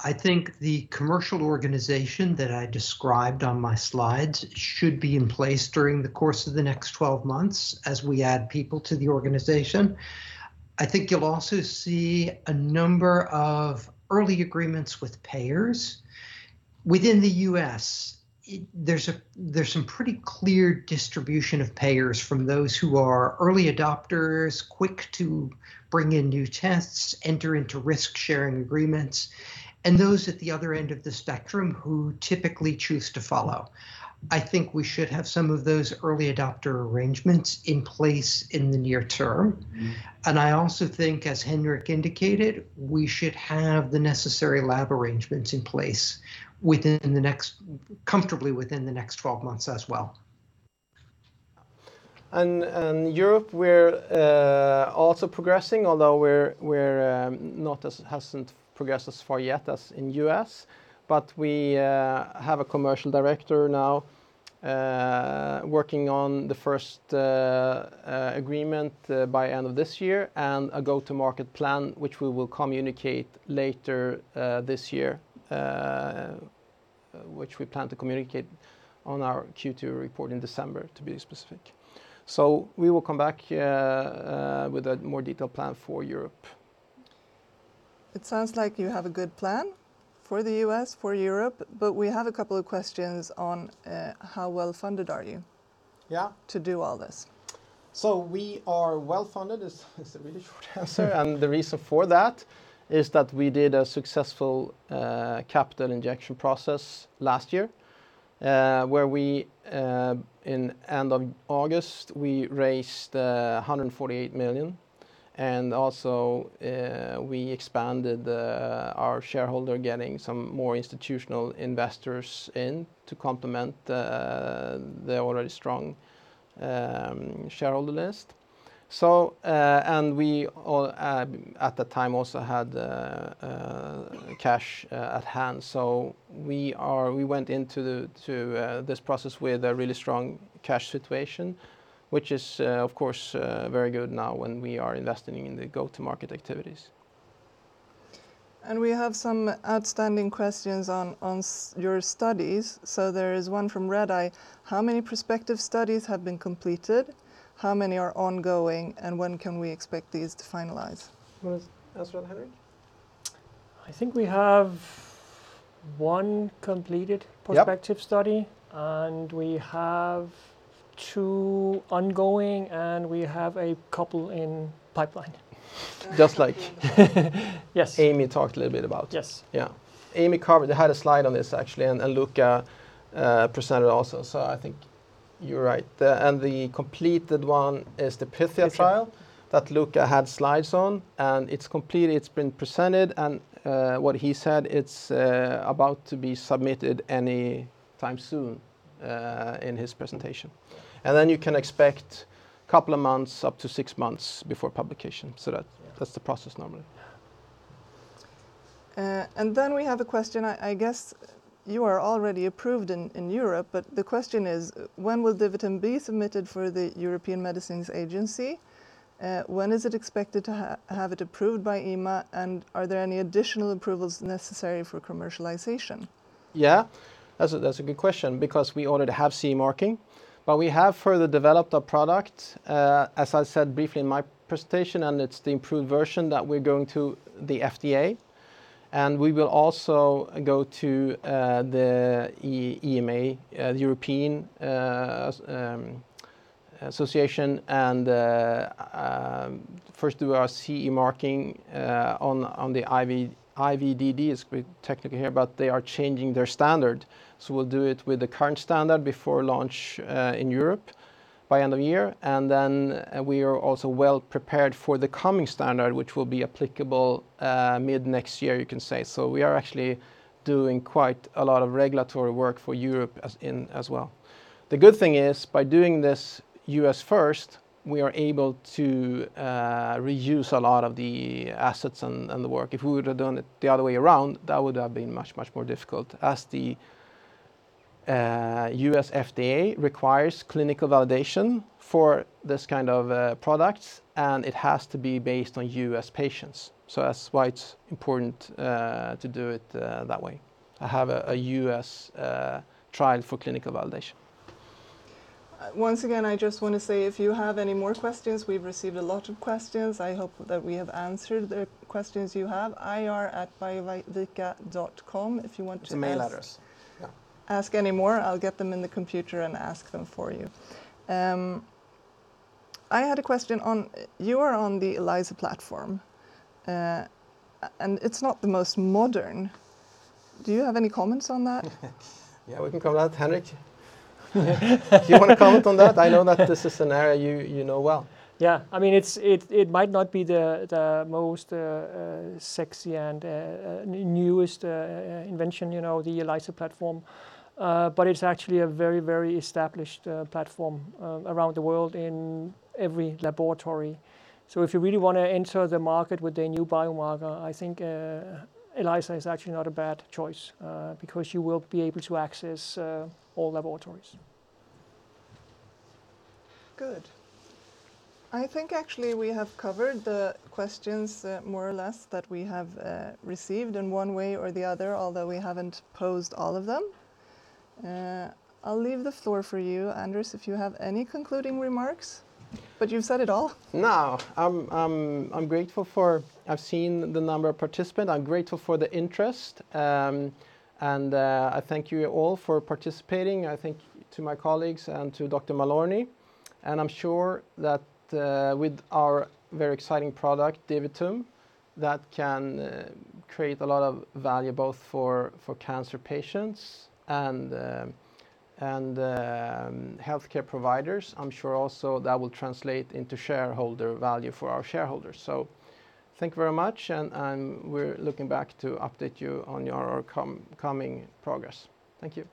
I think the commercial organization that I described on my slides should be in place during the course of the next 12 months as we add people to the organization. I think you'll also see a number of early agreements with payers. Within the U.S., there's a pretty clear distribution of payers from those who are early adopters, quick to bring in new tests, enter into risk-sharing agreements, and those at the other end of the spectrum, who typically choose to follow. I think we should have some of those early adopter arrangements in place in the near term. I also think, as Henrik indicated, we should have the necessary lab arrangements in place comfortably within the next 12 months as well. Europe, we're also progressing, although it hasn't progressed as far yet as in the U.S. We have a commercial director now working on the first agreement by end of this year, and a go-to-market plan, which we will communicate later this year, which we plan to communicate on our Q2 report in December, to be specific. We will come back with a more detailed plan for Europe. It sounds like you have a good plan for the U.S., for Europe, but we have a couple of questions on how well-funded are you? Yeah. To do all this? We are well-funded, is a really short answer. The reason for that is that we did a successful capital injection process last year, where we, in end of August, we raised 148 million. Also, we expanded our shareholder, getting some more institutional investors in to complement the already strong shareholder list. We at the time also had cash at hand. We went into this process with a really strong cash situation, which is, of course, very good now when we are investing in the go-to-market activities. We have some outstanding questions on your studies. There is one from Redeye. How many prospective studies have been completed? How many are ongoing, and when can we expect these to finalize? That's for Henrik. I think we have one completed prospective study. Yeah. We have two ongoing, and we have a couple in pipeline. Just like. Yes. Amy talked a little bit about. Yes. Amy had a slide on this, actually, and Luca presented also, so I think you're right. The completed one is the PYTHIA trial that Luca had slides on, and it's completed, it's been presented. What he said, it's about to be submitted any time soon in his presentation. You can expect a couple of months, up to six months, before publication. That's the process normally. We have a question, I guess you are already approved in Europe, but the question is, when will DiviTum be submitted for the European Medicines Agency? When is it expected to have it approved by EMA, and are there any additional approvals necessary for commercialization? Yeah. That's a good question because we already have CE marking. We have further developed a product, as I said briefly in my presentation, and it's the improved version that we're going to the FDA. We will also go to the EMA, the European association, and first do our CE marking on the IVDD. It's a bit technical here, but they are changing their standard. We'll do it with the current standard before launch in Europe by end of year. Then we are also well-prepared for the coming standard, which will be applicable mid-next year, you can say. We are actually doing quite a lot of regulatory work for Europe as well. The good thing is, by doing this U.S. first, we are able to reuse a lot of the assets and the work. If we would've done it the other way around, that would have been much, much more difficult as the U.S. FDA requires clinical validation for this kind of product, and it has to be based on U.S. patients. That's why it's important to do it that way, have a U.S. trial for clinical validation. Once again, I just want to say if you have any more questions, we've received a lot of questions. I hope that we have answered the questions you have. ir@biovica.com. Send letters, yeah. Ask any more, I'll get them in the computer and ask them for you. I had a question. You are on the ELISA platform, and it's not the most modern. Do you have any comments on that? Yeah, we can come out and have it. Do you want to comment on that? I know that this is an area you know well. It might not be the most sexy and newest invention, the ELISA platform, but it's actually a very, very established platform around the world in every laboratory. If you really want to enter the market with a new biomarker, I think ELISA is actually not a bad choice, because you will be able to access all laboratories. Good. I think actually we have covered the questions more or less that we have received in one way or the other, although we haven't posed all of them. I'll leave the floor for you, Anders, if you have any concluding remarks, but you've said it all. I've seen the number of participants. I'm grateful for the interest, and I thank you all for participating, I thank to my colleagues and to Dr. Malorni, and I'm sure that with our very exciting product, DiviTum, that can create a lot of value both for cancer patients and healthcare providers. I'm sure also that will translate into shareholder value for our shareholders. Thank you very much, and we're looking back to update you on our coming progress. Thank you.